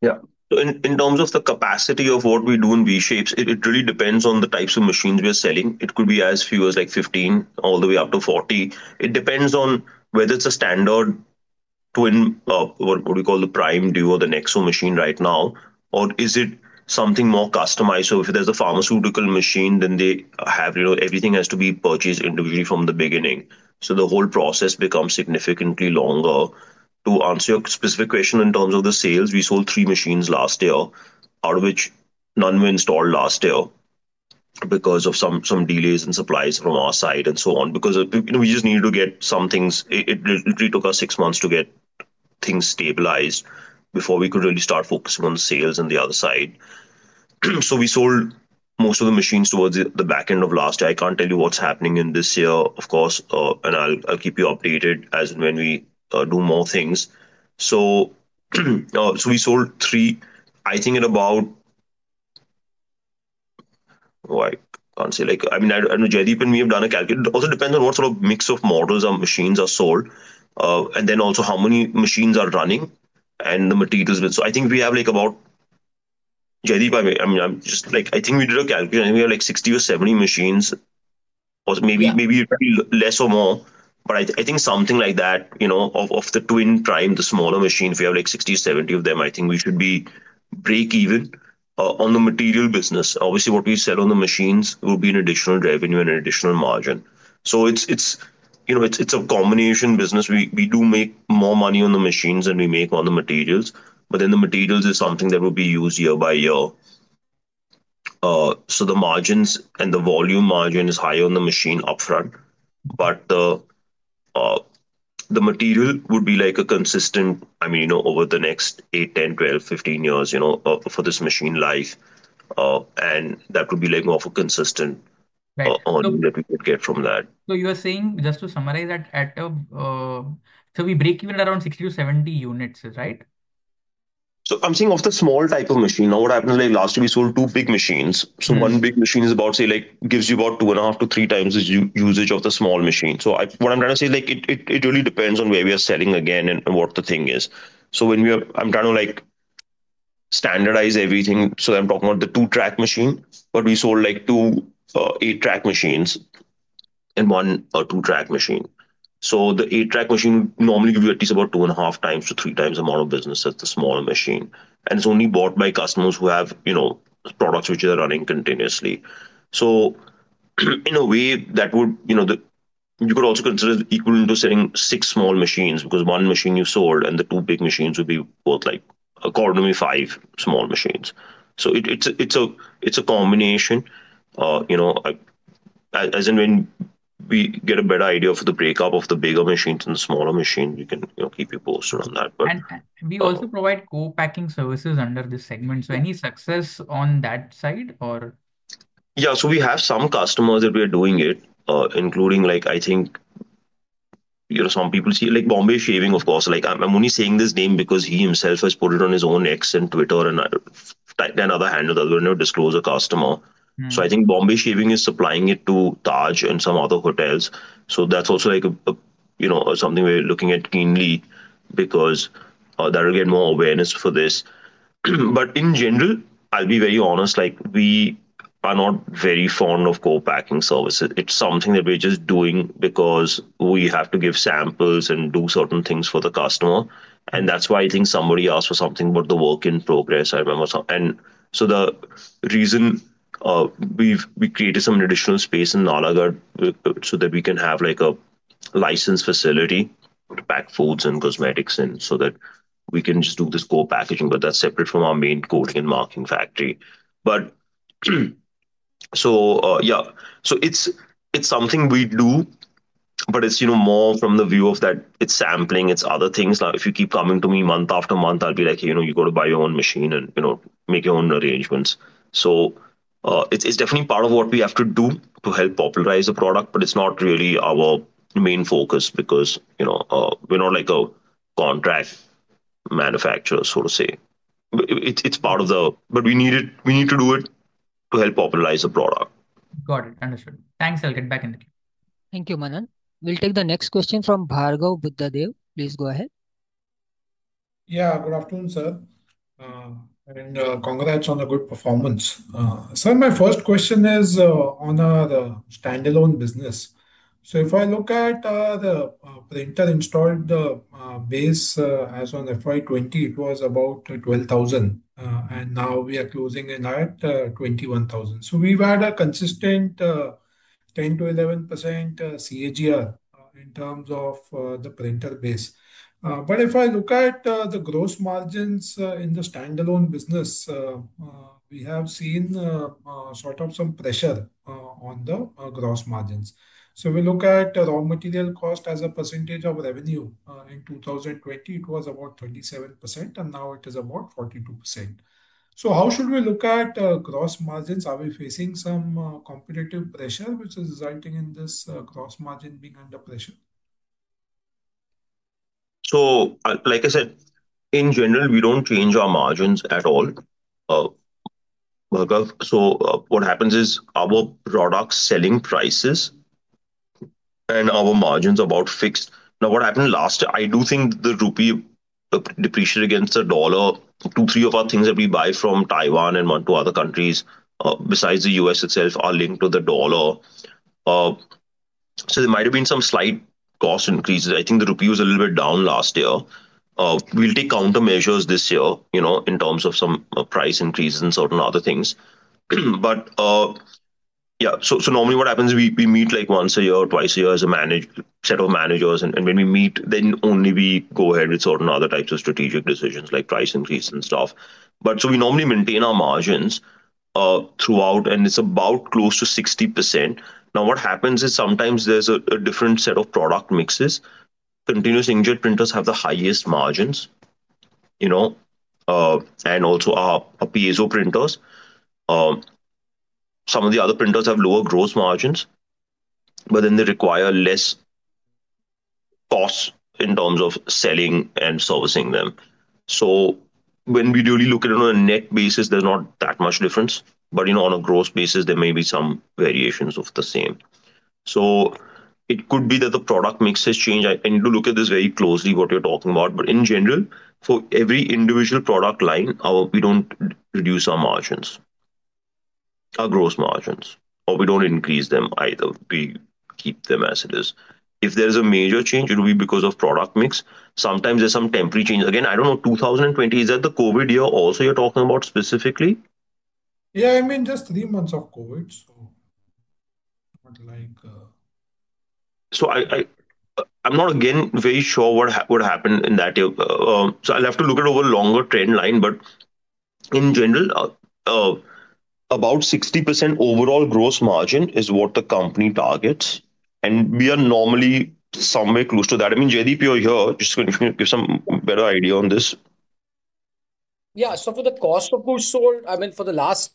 Speaker 5: Yeah. In terms of the capacity of what we do in V-Shapes, it really depends on the types of machines we are selling. It could be as few as 15 all the way up to 40. It depends on whether it is a standard twin, what we call the Prime Duo or the Nexo machine right now, or is it something more customized? If there is a pharmaceutical machine, then everything has to be purchased individually from the beginning. The whole process becomes significantly longer. To answer your specific question in terms of the sales, we sold three machines last year, out of which none were installed last year because of some delays in supplies from our side and so on. Because we just needed to get some things, it literally took us six months to get things stabilized before we could really start focusing on sales on the other side. We sold most of the machines towards the back end of last year. I cannot tell you what is happening in this year, of course, and I will keep you updated as and when we do more things. We sold three. I think at about, I cannot say. I mean, I do not know. Jaideep and me have done a calculation. It also depends on what sort of mix of models our machines are sold and then also how many machines are running and the materials with. I think we have about, Jaideep, I mean, I think we did a calculation. I think we have like 60 or 70 machines, maybe less or more. I think something like that of the twin prime, the smaller machines, we have like 60 machines or 70 machines of them. I think we should be break even on the material business. Obviously, what we sell on the machines will be an additional revenue and an additional margin. It is a combination business. We do make more money on the machines than we make on the materials. The materials is something that will be used year by year. The margins and the volume margin is higher on the machine upfront. The material would be like a consistent, I mean, over the next eight, 10, 12, 15 years for this machine life. That would be more of a consistent volume that we could get from that.
Speaker 7: So you were saying, just to summarize that, we break even around 60 units-70 units, right?
Speaker 5: I'm saying of the small type of machine, what happens last year, we sold two big machines. One big machine is about, say, gives you about two and a half to three times the usage of the small machine. What I'm trying to say is it really depends on where we are selling again and what the thing is. I'm trying to standardize everything. I'm talking about the 2-track machine, but we sold like two 8-track machines and one 2-track machine. The 8-track machine normally gives you at least about two and a half times to three times the amount of business as the small machine. It's only bought by customers who have products which are running continuously. In a way, that you could also consider it equal to selling six small machines because one machine you sold and the two big machines would be worth like accordingly five small machines. It is a combination. As and when we get a better idea of the breakup of the bigger machines and the smaller machines, we can keep you posted on that.
Speaker 7: We also provide co-packing services under this segment. Any success on that side, or?
Speaker 5: Yeah. So we have some customers that we are doing it, including, I think, some people see it like Bombay Shaving, of course. I'm only saying this name because he himself has put it on his own X and Twitter and other handles that we're going to disclose a customer. I think Bombay Shaving is supplying it to Taj and some other hotels. That is also something we're looking at keenly because that will get more awareness for this. In general, I'll be very honest, we are not very fond of co-packing services. It's something that we're just doing because we have to give samples and do certain things for the customer. That's why I think somebody asked for something about the work in progress. I remember. The reason we created some additional space in Nalagarh is so that we can have a licensed facility to pack foods and cosmetics in, so that we can just do this co-packaging, but that's separate from our main coding and marking factory. Yeah, it's something we do, but it's more from the view of that it's sampling, it's other things. Now, if you keep coming to me month after month, I'll be like, "You got to buy your own machine and make your own arrangements." It's definitely part of what we have to do to help popularize the product, but it's not really our main focus because we're not a contract manufacturer, so to say. It's part of it, but we need to do it to help popularize the product.
Speaker 7: Got it. Understood. Thanks. I'll get back in the queue.
Speaker 1: Thank you, Manan. We'll take the next question from Bhargav Buddhadev. Please go ahead.
Speaker 8: Yeah. Good afternoon, sir. And congrats on the good performance. My first question is on our standalone business. If I look at the printer installed base as on FY 2020, it was about 12,000. Now we are closing in at 21,000. We have had a consistent 10%-11% CAGR in terms of the printer base. If I look at the gross margins in the standalone business, we have seen sort of some pressure on the gross margins. If we look at raw material cost as a percentage of revenue, in 2020, it was about 27%, and now it is about 42%. How should we look at gross margins? Are we facing some competitive pressure, which is resulting in this gross margin being under pressure?
Speaker 5: Like I said, in general, we do not change our margins at all. What happens is our product selling prices and our margins are about fixed. Now, what happened last year, I do think the rupee depreciated against the dollar. Two, three of our things that we buy from Taiwan and one or two other countries besides the U.S. itself are linked to the dollar. There might have been some slight cost increases. I think the rupee was a little bit down last year. We will take countermeasures this year in terms of some price increases and certain other things. Yeah. Normally what happens is we meet once a year or twice a year as a set of managers. When we meet, then only we go ahead with certain other types of strategic decisions like price increase and stuff. We normally maintain our margins throughout, and it's about close to 60%. What happens is sometimes there's a different set of product mixes. Continuous Inkjet Printers have the highest margins, and also our Piezo printers. Some of the other printers have lower gross margins, but then they require less cost in terms of selling and servicing them. When we really look at it on a net basis, there's not that much difference. On a gross basis, there may be some variations of the same. It could be that the product mixes change. I need to look at this very closely, what you're talking about. In general, for every individual product line, we don't reduce our margins, our gross margins, or we don't increase them either. We keep them as it is. If there's a major change, it will be because of product mix. Sometimes there's some temporary change. Again, I don't know. 2020, is that the COVID year also you're talking about specifically?
Speaker 8: Yeah. I mean, just three months of COVID. So not like.
Speaker 5: I'm not, again, very sure what happened in that year. I'll have to look at a little longer trend line. In general, about 60% overall gross margin is what the company targets. We are normally somewhere close to that. I mean, Jaideep, you're here. Just going to give some better idea on this.
Speaker 2: Yeah. So for the cost of goods sold, I mean, for the last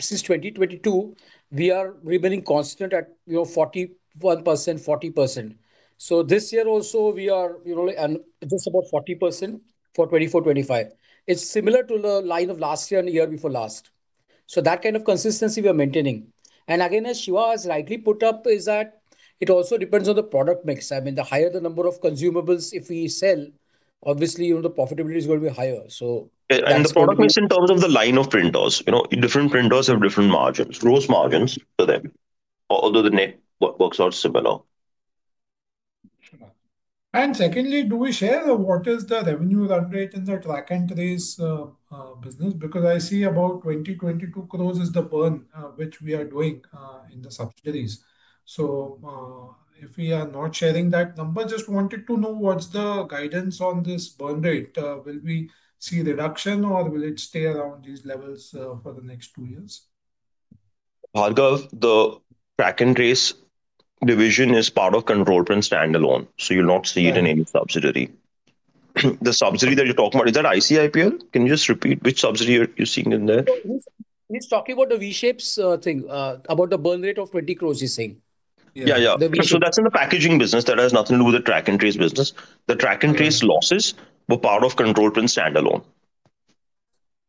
Speaker 2: since 2022, we are remaining constant at 41%, 40%. So this year also, we are just about 40% for 2024, 2025. It's similar to the line of last year and the year before last. That kind of consistency we are maintaining. Again, as Shiva has rightly put up, it also depends on the product mix. I mean, the higher the number of consumables if we sell, obviously, the profitability is going to be higher.
Speaker 5: The product mix in terms of the line of printers, different printers have different margins, gross margins to them, although the net works out similar.
Speaker 8: Secondly, do we share what is the revenue run rate in the Track and Trace business? Because I see about 20, 22 crore is the burn which we are doing in the subsidiaries. If we are not sharing that number, just wanted to know what's the guidance on this burn rate. Will we see reduction, or will it stay around these levels for the next two years?
Speaker 5: Bhargav, the Track and Trace division is part of Control Print stand-alone. So you'll not see it in any subsidiary. The subsidiary that you're talking about, is that ICIPL? Can you just repeat which subsidiary you're seeing in there?
Speaker 2: He's talking about the V-Shapes thing, about the burn rate of 20 crores, he's saying.
Speaker 5: Yeah, yeah. So that's in the packaging business. That has nothing to do with the Track and Trace business. The Track and Trace losses were part of Control Print standalone.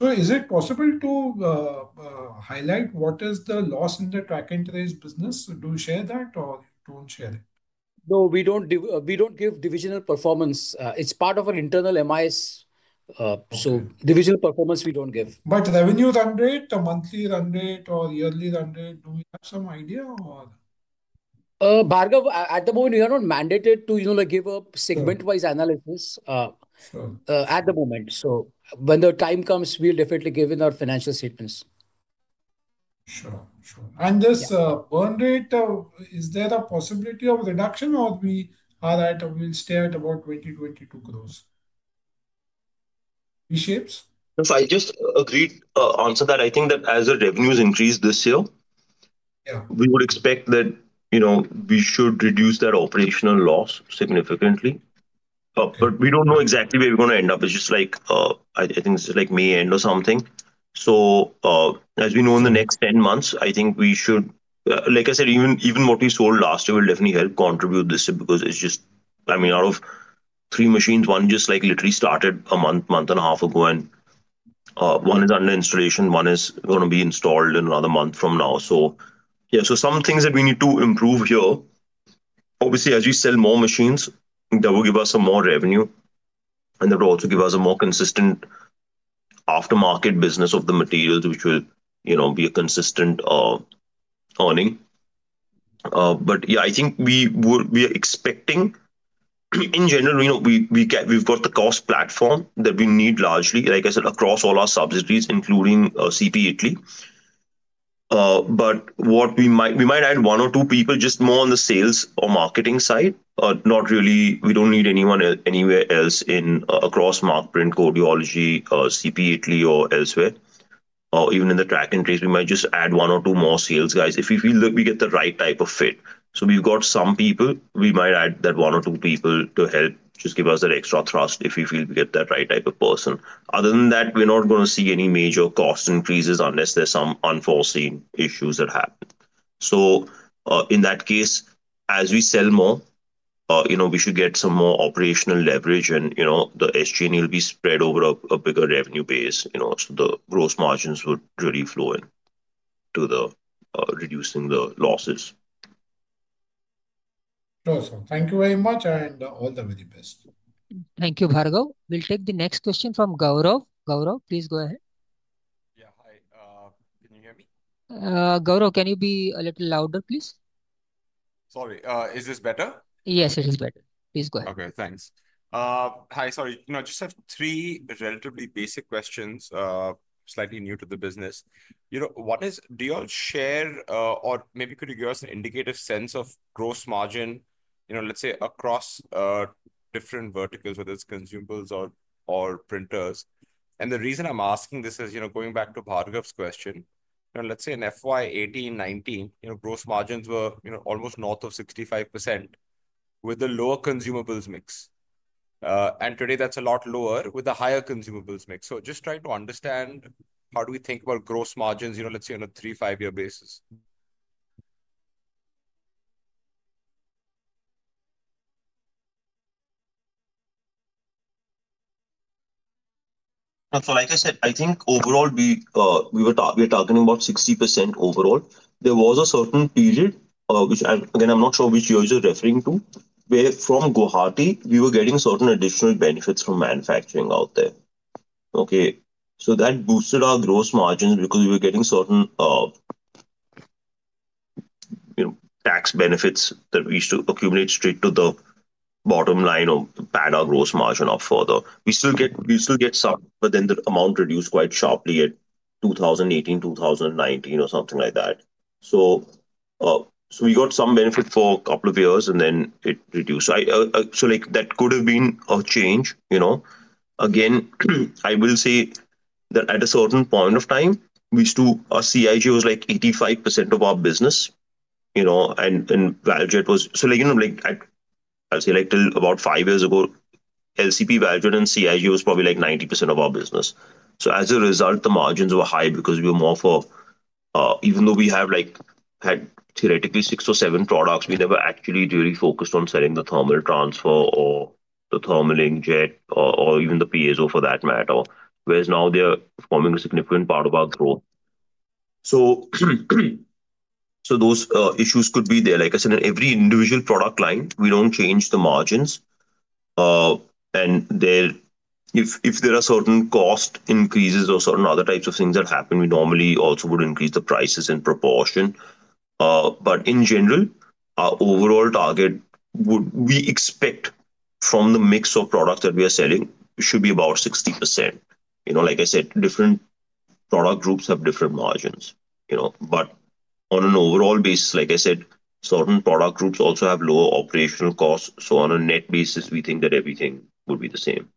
Speaker 8: Is it possible to highlight what is the loss in the Track and Trace business? Do you share that, or don't share it?
Speaker 2: No, we don't give divisional performance. It's part of our internal MIS. So divisional performance, we don't give.
Speaker 8: Revenue run rate, the monthly run rate or yearly run rate, do we have some idea or?
Speaker 2: Bhargav, at the moment, we are not mandated to give a segment-wise analysis at the moment. When the time comes, we'll definitely give in our financial statements.
Speaker 8: Sure, sure. This burn rate, is there a possibility of reduction, or are we stay at about 20, 22 gross? V-Shapes?
Speaker 5: If I just agreed to answer that, I think that as the revenues increase this year, we would expect that we should reduce that operational loss significantly. We do not know exactly where we are going to end up. It is just like I think it is like May end or something. As we know, in the next 10 months, I think we should, like I said, even what we sold last year will definitely help contribute this year because it is just, I mean, out of three machines, one just literally started a month, month and a half ago, and one is under installation. One is going to be installed in another month from now. Some things that we need to improve here. Obviously, as we sell more machines, that will give us some more revenue. That will also give us a more consistent aftermarket business of the materials, which will be a consistent earning. Yeah, I think we are expecting, in general, we have got the cost platform that we need largely, like I said, across all our subsidiaries, including CP Italy. We might add one or two people just more on the sales or marketing side. We do not need anyone anywhere else across Markprint, Codeology, CP Italy, or elsewhere. Even in the Track and Trace, we might just add one or two more sales guys if we feel that we get the right type of fit. We have got some people. We might add that one or two people to help just give us that extra thrust if we feel we get that right type of person. Other than that, we're not going to see any major cost increases unless there's some unforeseen issues that happen. In that case, as we sell more, we should get some more operational leverage, and the SG&A will be spread over a bigger revenue base. The gross margins would really flow into reducing the losses.
Speaker 8: Awesome. Thank you very much, and all the very best.
Speaker 1: Thank you, Bhargav. We'll take the next question from Gaurav. Gaurav, please go ahead.
Speaker 9: Yeah. Hi. Can you hear me?
Speaker 1: Gaurav, can you be a little louder, please?
Speaker 9: Sorry. Is this better?
Speaker 1: Yes, it is better. Please go ahead.
Speaker 9: Okay. Thanks. Hi. Sorry. Just have three relatively basic questions, slightly new to the business. Do you all share, or maybe could you give us an indicative sense of gross margin, let's say, across different verticals, whether it's consumables or printers? The reason I'm asking this is going back to Bhargav's question. Let's say in FY 2018, 2019, gross margins were almost north of 65% with the lower consumables mix. Today, that's a lot lower with the higher consumables mix. Just trying to understand how do we think about gross margins, let's say, on a three, five-year basis.
Speaker 5: Like I said, I think overall, we were talking about 60% overall. There was a certain period, which again, I'm not sure which year you're referring to, where from Guwahati, we were getting certain additional benefits from manufacturing out there. That boosted our gross margins because we were getting certain tax benefits that we used to accumulate straight to the bottom line or pad our gross margin up further. We still get some, but then the amount reduced quite sharply at 2018, 2019, or something like that. We got some benefit for a couple of years, and then it reduced. That could have been a change. Again, I will say that at a certain point of time, CIG was like 85% of our business. Valvejet was, I'll say until about five years ago, LCP, Valvejet and CIG was probably like 90% of our business. As a result, the margins were high because we were more for, even though we had theoretically six or seven products, we never actually really focused on selling the Thermal Transfer or the Thermal Inkjet or even the Piezo for that matter, whereas now they're forming a significant part of our growth. Those issues could be there. Like I said, in every individual product line, we don't change the margins. If there are certain cost increases or certain other types of things that happen, we normally also would increase the prices in proportion. In general, our overall target we expect from the mix of products that we are selling should be about 60%. Like I said, different product groups have different margins. On an overall basis, like I said, certain product groups also have lower operational costs. So on a net basis, we think that everything would be the same.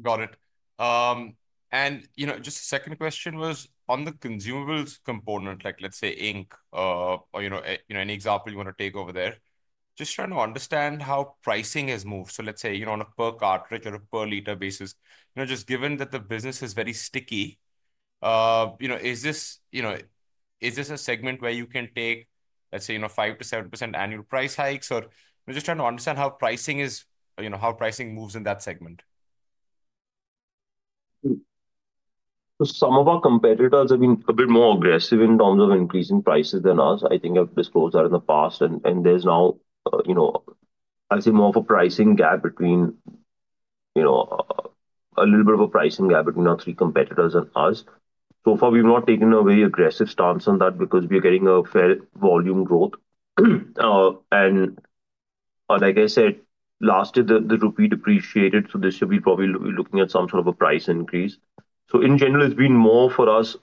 Speaker 9: Got it. Just a second question was on the consumables component, like let's say ink, or any example you want to take over there, just trying to understand how pricing has moved. Let's say on a per cartridge or a per liter basis, just given that the business is very sticky, is this a segment where you can take, let's say, 5%-7% annual price hikes? Just trying to understand how pricing is, how pricing moves in that segment.
Speaker 5: Some of our competitors have been a bit more aggressive in terms of increasing prices than us. I think I've disclosed that in the past. There's now, I'd say, more of a pricing gap, a little bit of a pricing gap between our three competitors and us. So far, we've not taken a very aggressive stance on that because we are getting a fair volume growth. Like I said, last year, the Rupee depreciated. This year, we're probably looking at some sort of a price increase. In general, it's been more for us,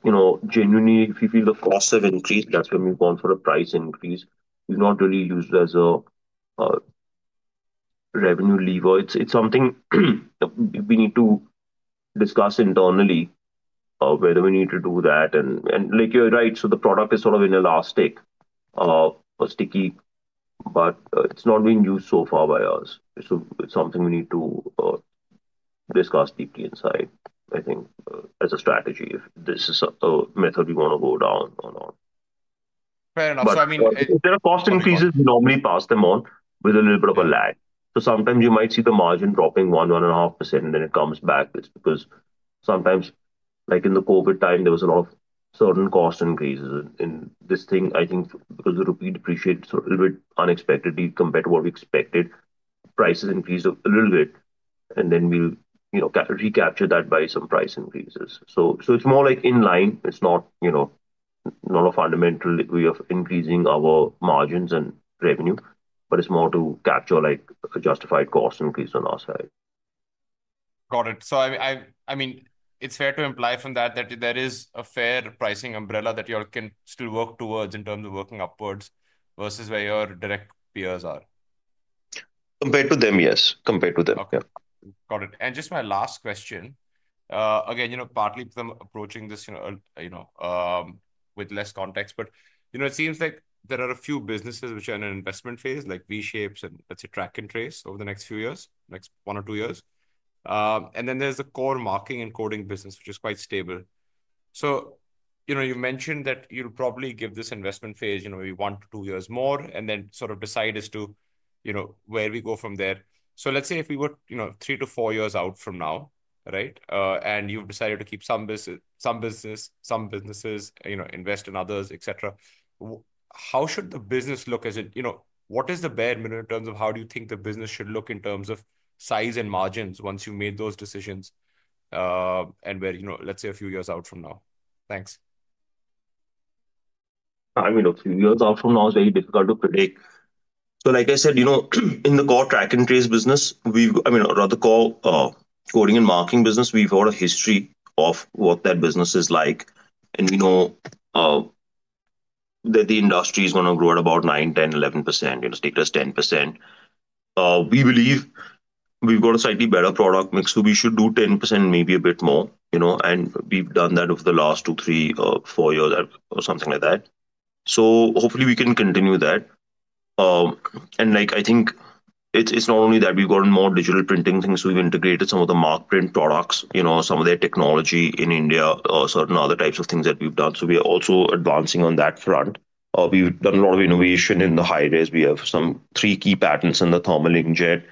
Speaker 5: genuinely, if you feel the costs have increased, that's when we've gone for a price increase. We've not really used it as a revenue lever. It's something we need to discuss internally, whether we need to do that. You're right. The product is sort of inelastic or sticky, but it's not being used so far by us. It's something we need to discuss deeply inside, I think, as a strategy if this is a method we want to go down on.
Speaker 9: Fair enough. I mean.
Speaker 5: If there are cost increases, we normally pass them on with a little bit of a lag. Sometimes you might see the margin dropping 1% ,1.5%, and then it comes back. It's because sometimes, like in the COVID time, there was a lot of certain cost increases. This thing, I think, because the rupee depreciated a little bit unexpectedly compared to what we expected, prices increased a little bit. Then we recaptured that by some price increases. It's more like in line. It's not a fundamental way of increasing our margins and revenue, but it's more to capture a justified cost increase on our side.
Speaker 9: Got it. I mean, it's fair to imply from that that there is a fair pricing umbrella that you all can still work towards in terms of working upwards versus where your direct peers are.
Speaker 5: Compared to them, yes. Compared to them.
Speaker 9: Okay. Got it. Just my last question. Again, partly because I'm approaching this with less context, but it seems like there are a few businesses which are in an investment phase, like V-Shapes and, let's say, Track and Trace over the next few years, next one or two years. There is the core marking and coding business, which is quite stable. You mentioned that you'll probably give this investment phase maybe one to two years more and then sort of decide as to where we go from there. Let's say if we were three to four years out from now, right, and you've decided to keep some business, some businesses, invest in others, etc., how should the business look? What is the bare minimum in terms of how do you think the business should look in terms of size and margins once you've made those decisions and where, let's say, a few years out from now? Thanks.
Speaker 5: I mean, a few years out from now is very difficult to predict. Like I said, in the core Track and Trace business, I mean, or the core coding and marking business, we've got a history of what that business is like. We know that the industry is going to grow at about 9%, 10%, 11%, stick to 10%. We believe we've got a slightly better product mix, so we should do 10%, maybe a bit more. We've done that over the last two, three, four years or something like that. Hopefully, we can continue that. I think it's not only that we've gotten more digital printing things. We've integrated some of the Markprint products, some of their technology in India, certain other types of things that we've done. We are also advancing on that front. We've done a lot of innovation in the high-res. We have some three key patents in the Thermal Inkjet.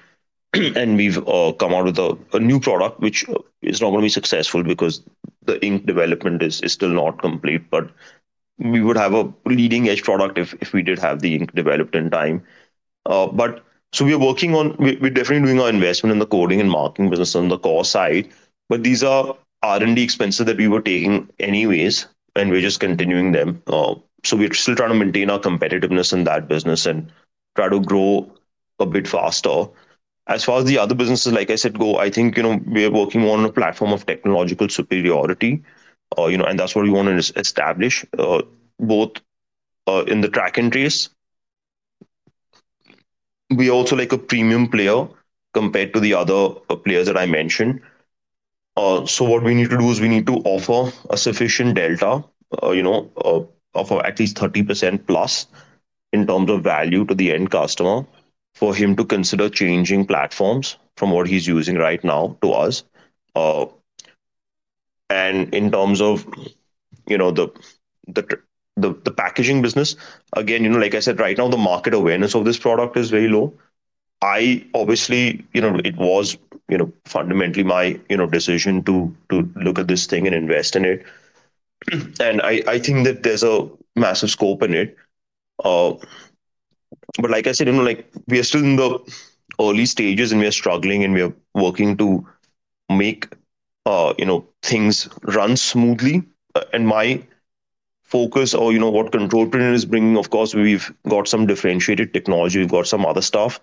Speaker 5: And we've come out with a new product, which is not going to be successful because the ink development is still not complete. But we would have a leading-edge product if we did have the ink developed in time. So we're working on we're definitely doing our investment in the coding and marking business on the core side. But these are R&D expenses that we were taking anyways, and we're just continuing them. So we're still trying to maintain our competitiveness in that business and try to grow a bit faster. As far as the other businesses, like I said, go, I think we're working on a platform of technological superiority. And that's what we want to establish, both in the Track and Trace. We are also a premium player compared to the other players that I mentioned. What we need to do is we need to offer a sufficient delta, offer at least 30%+ in terms of value to the end customer for him to consider changing platforms from what he is using right now to us. In terms of the packaging business, again, like I said, right now, the market awareness of this product is very low. Obviously, it was fundamentally my decision to look at this thing and invest in it. I think that there is a massive scope in it. Like I said, we are still in the early stages, and we are struggling, and we are working to make things run smoothly. My focus or what Control Print is bringing, of course, we have got some differentiated technology. We have got some other stuff.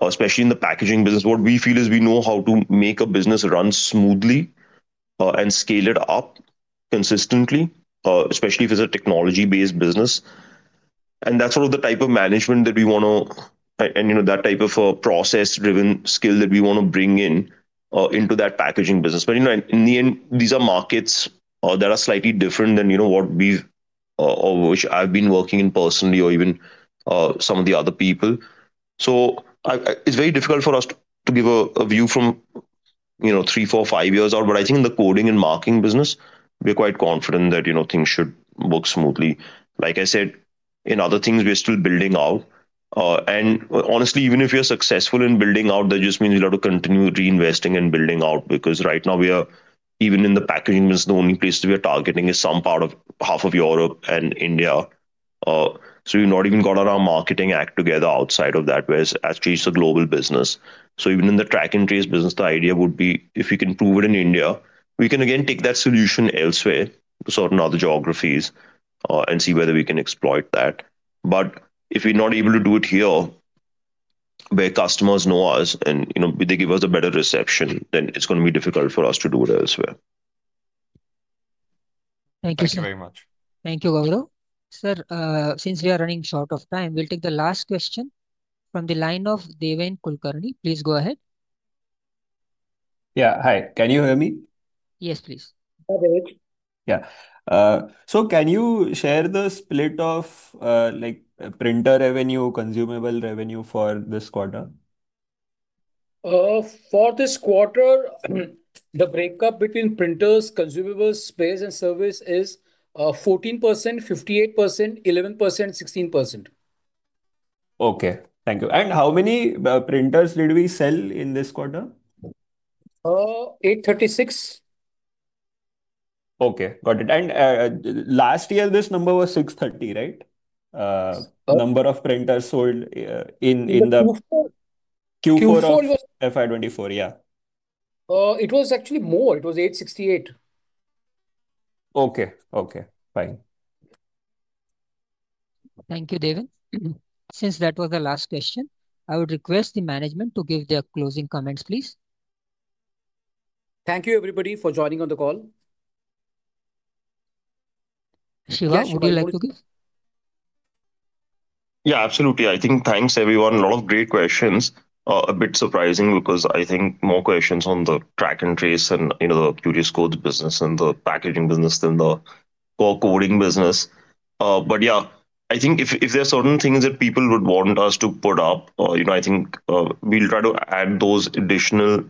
Speaker 5: Especially in the packaging business, what we feel is we know how to make a business run smoothly and scale it up consistently, especially if it's a technology-based business. That is sort of the type of management that we want to, and that type of process-driven skill that we want to bring in into that packaging business. In the end, these are markets that are slightly different than what we've, or which I've been working in personally or even some of the other people. It is very difficult for us to give a view from three, four, five years out. I think in the coding and marking business, we're quite confident that things should work smoothly. Like I said, in other things, we're still building out. Honestly, even if we are successful in building out, that just means we've got to continue reinvesting and building out because right now, even in the packaging business, the only place we are targeting is some part of half of Europe and India. We've not even got our marketing act together outside of that, whereas as we've changed the global business. Even in the Track and Trace business, the idea would be if we can prove it in India, we can again take that solution elsewhere to certain other geographies and see whether we can exploit that. If we're not able to do it here, where customers know us and they give us a better reception, then it's going to be difficult for us to do it elsewhere.
Speaker 9: Thank you so much.
Speaker 1: Thank you, Gaurav. Thank you, Gaurav. Sir, since we are running short of time, we will take the last question from the line of Deven Kulkarni. Please go ahead.
Speaker 10: Yeah. Hi, can you hear me?
Speaker 1: Yes, please.
Speaker 10: Yeah. So can you share the split of printer revenue, consumable revenue for this quarter?
Speaker 2: For this quarter, the breakup between printers, consumables, spares, and service is 14%, 58%, 11%, 16%.
Speaker 10: Okay. Thank you. How many printers did we sell in this quarter?
Speaker 2: 836 printers.
Speaker 10: Okay. Got it. Last year, this number was 630 printers, right? Number of printers sold in the Q4 of FY 2024, yeah?
Speaker 2: It was actually more. It was 868 printers.
Speaker 10: Okay. Okay. Fine.
Speaker 1: Thank you, Deven. Since that was the last question, I would request the management to give their closing comments, please.
Speaker 2: Thank you, everybody, for joining on the call.
Speaker 1: Shiva, would you like to give?
Speaker 5: Yeah, absolutely. I think thanks, everyone. A lot of great questions. A bit surprising because I think more questions on the Track and Trace and the QRiousCodes business and the Packaging business than the core coding business. I think if there are certain things that people would want us to put up, I think we'll try to add those additional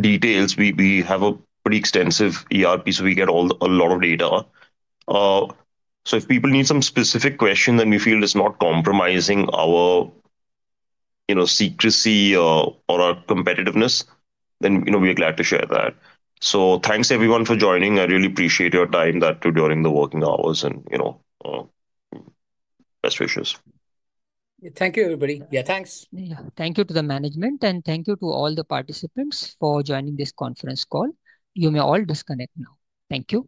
Speaker 5: details. We have a pretty extensive ERP, so we get a lot of data. If people need some specific question that we feel is not compromising our secrecy or our competitiveness, then we are glad to share that. Thanks, everyone, for joining. I really appreciate your time during the working hours and best wishes.
Speaker 2: Thank you, everybody. Yeah, thanks.
Speaker 1: Thank you to the management, and thank you to all the participants for joining this conference call. You may all disconnect now. Thank you.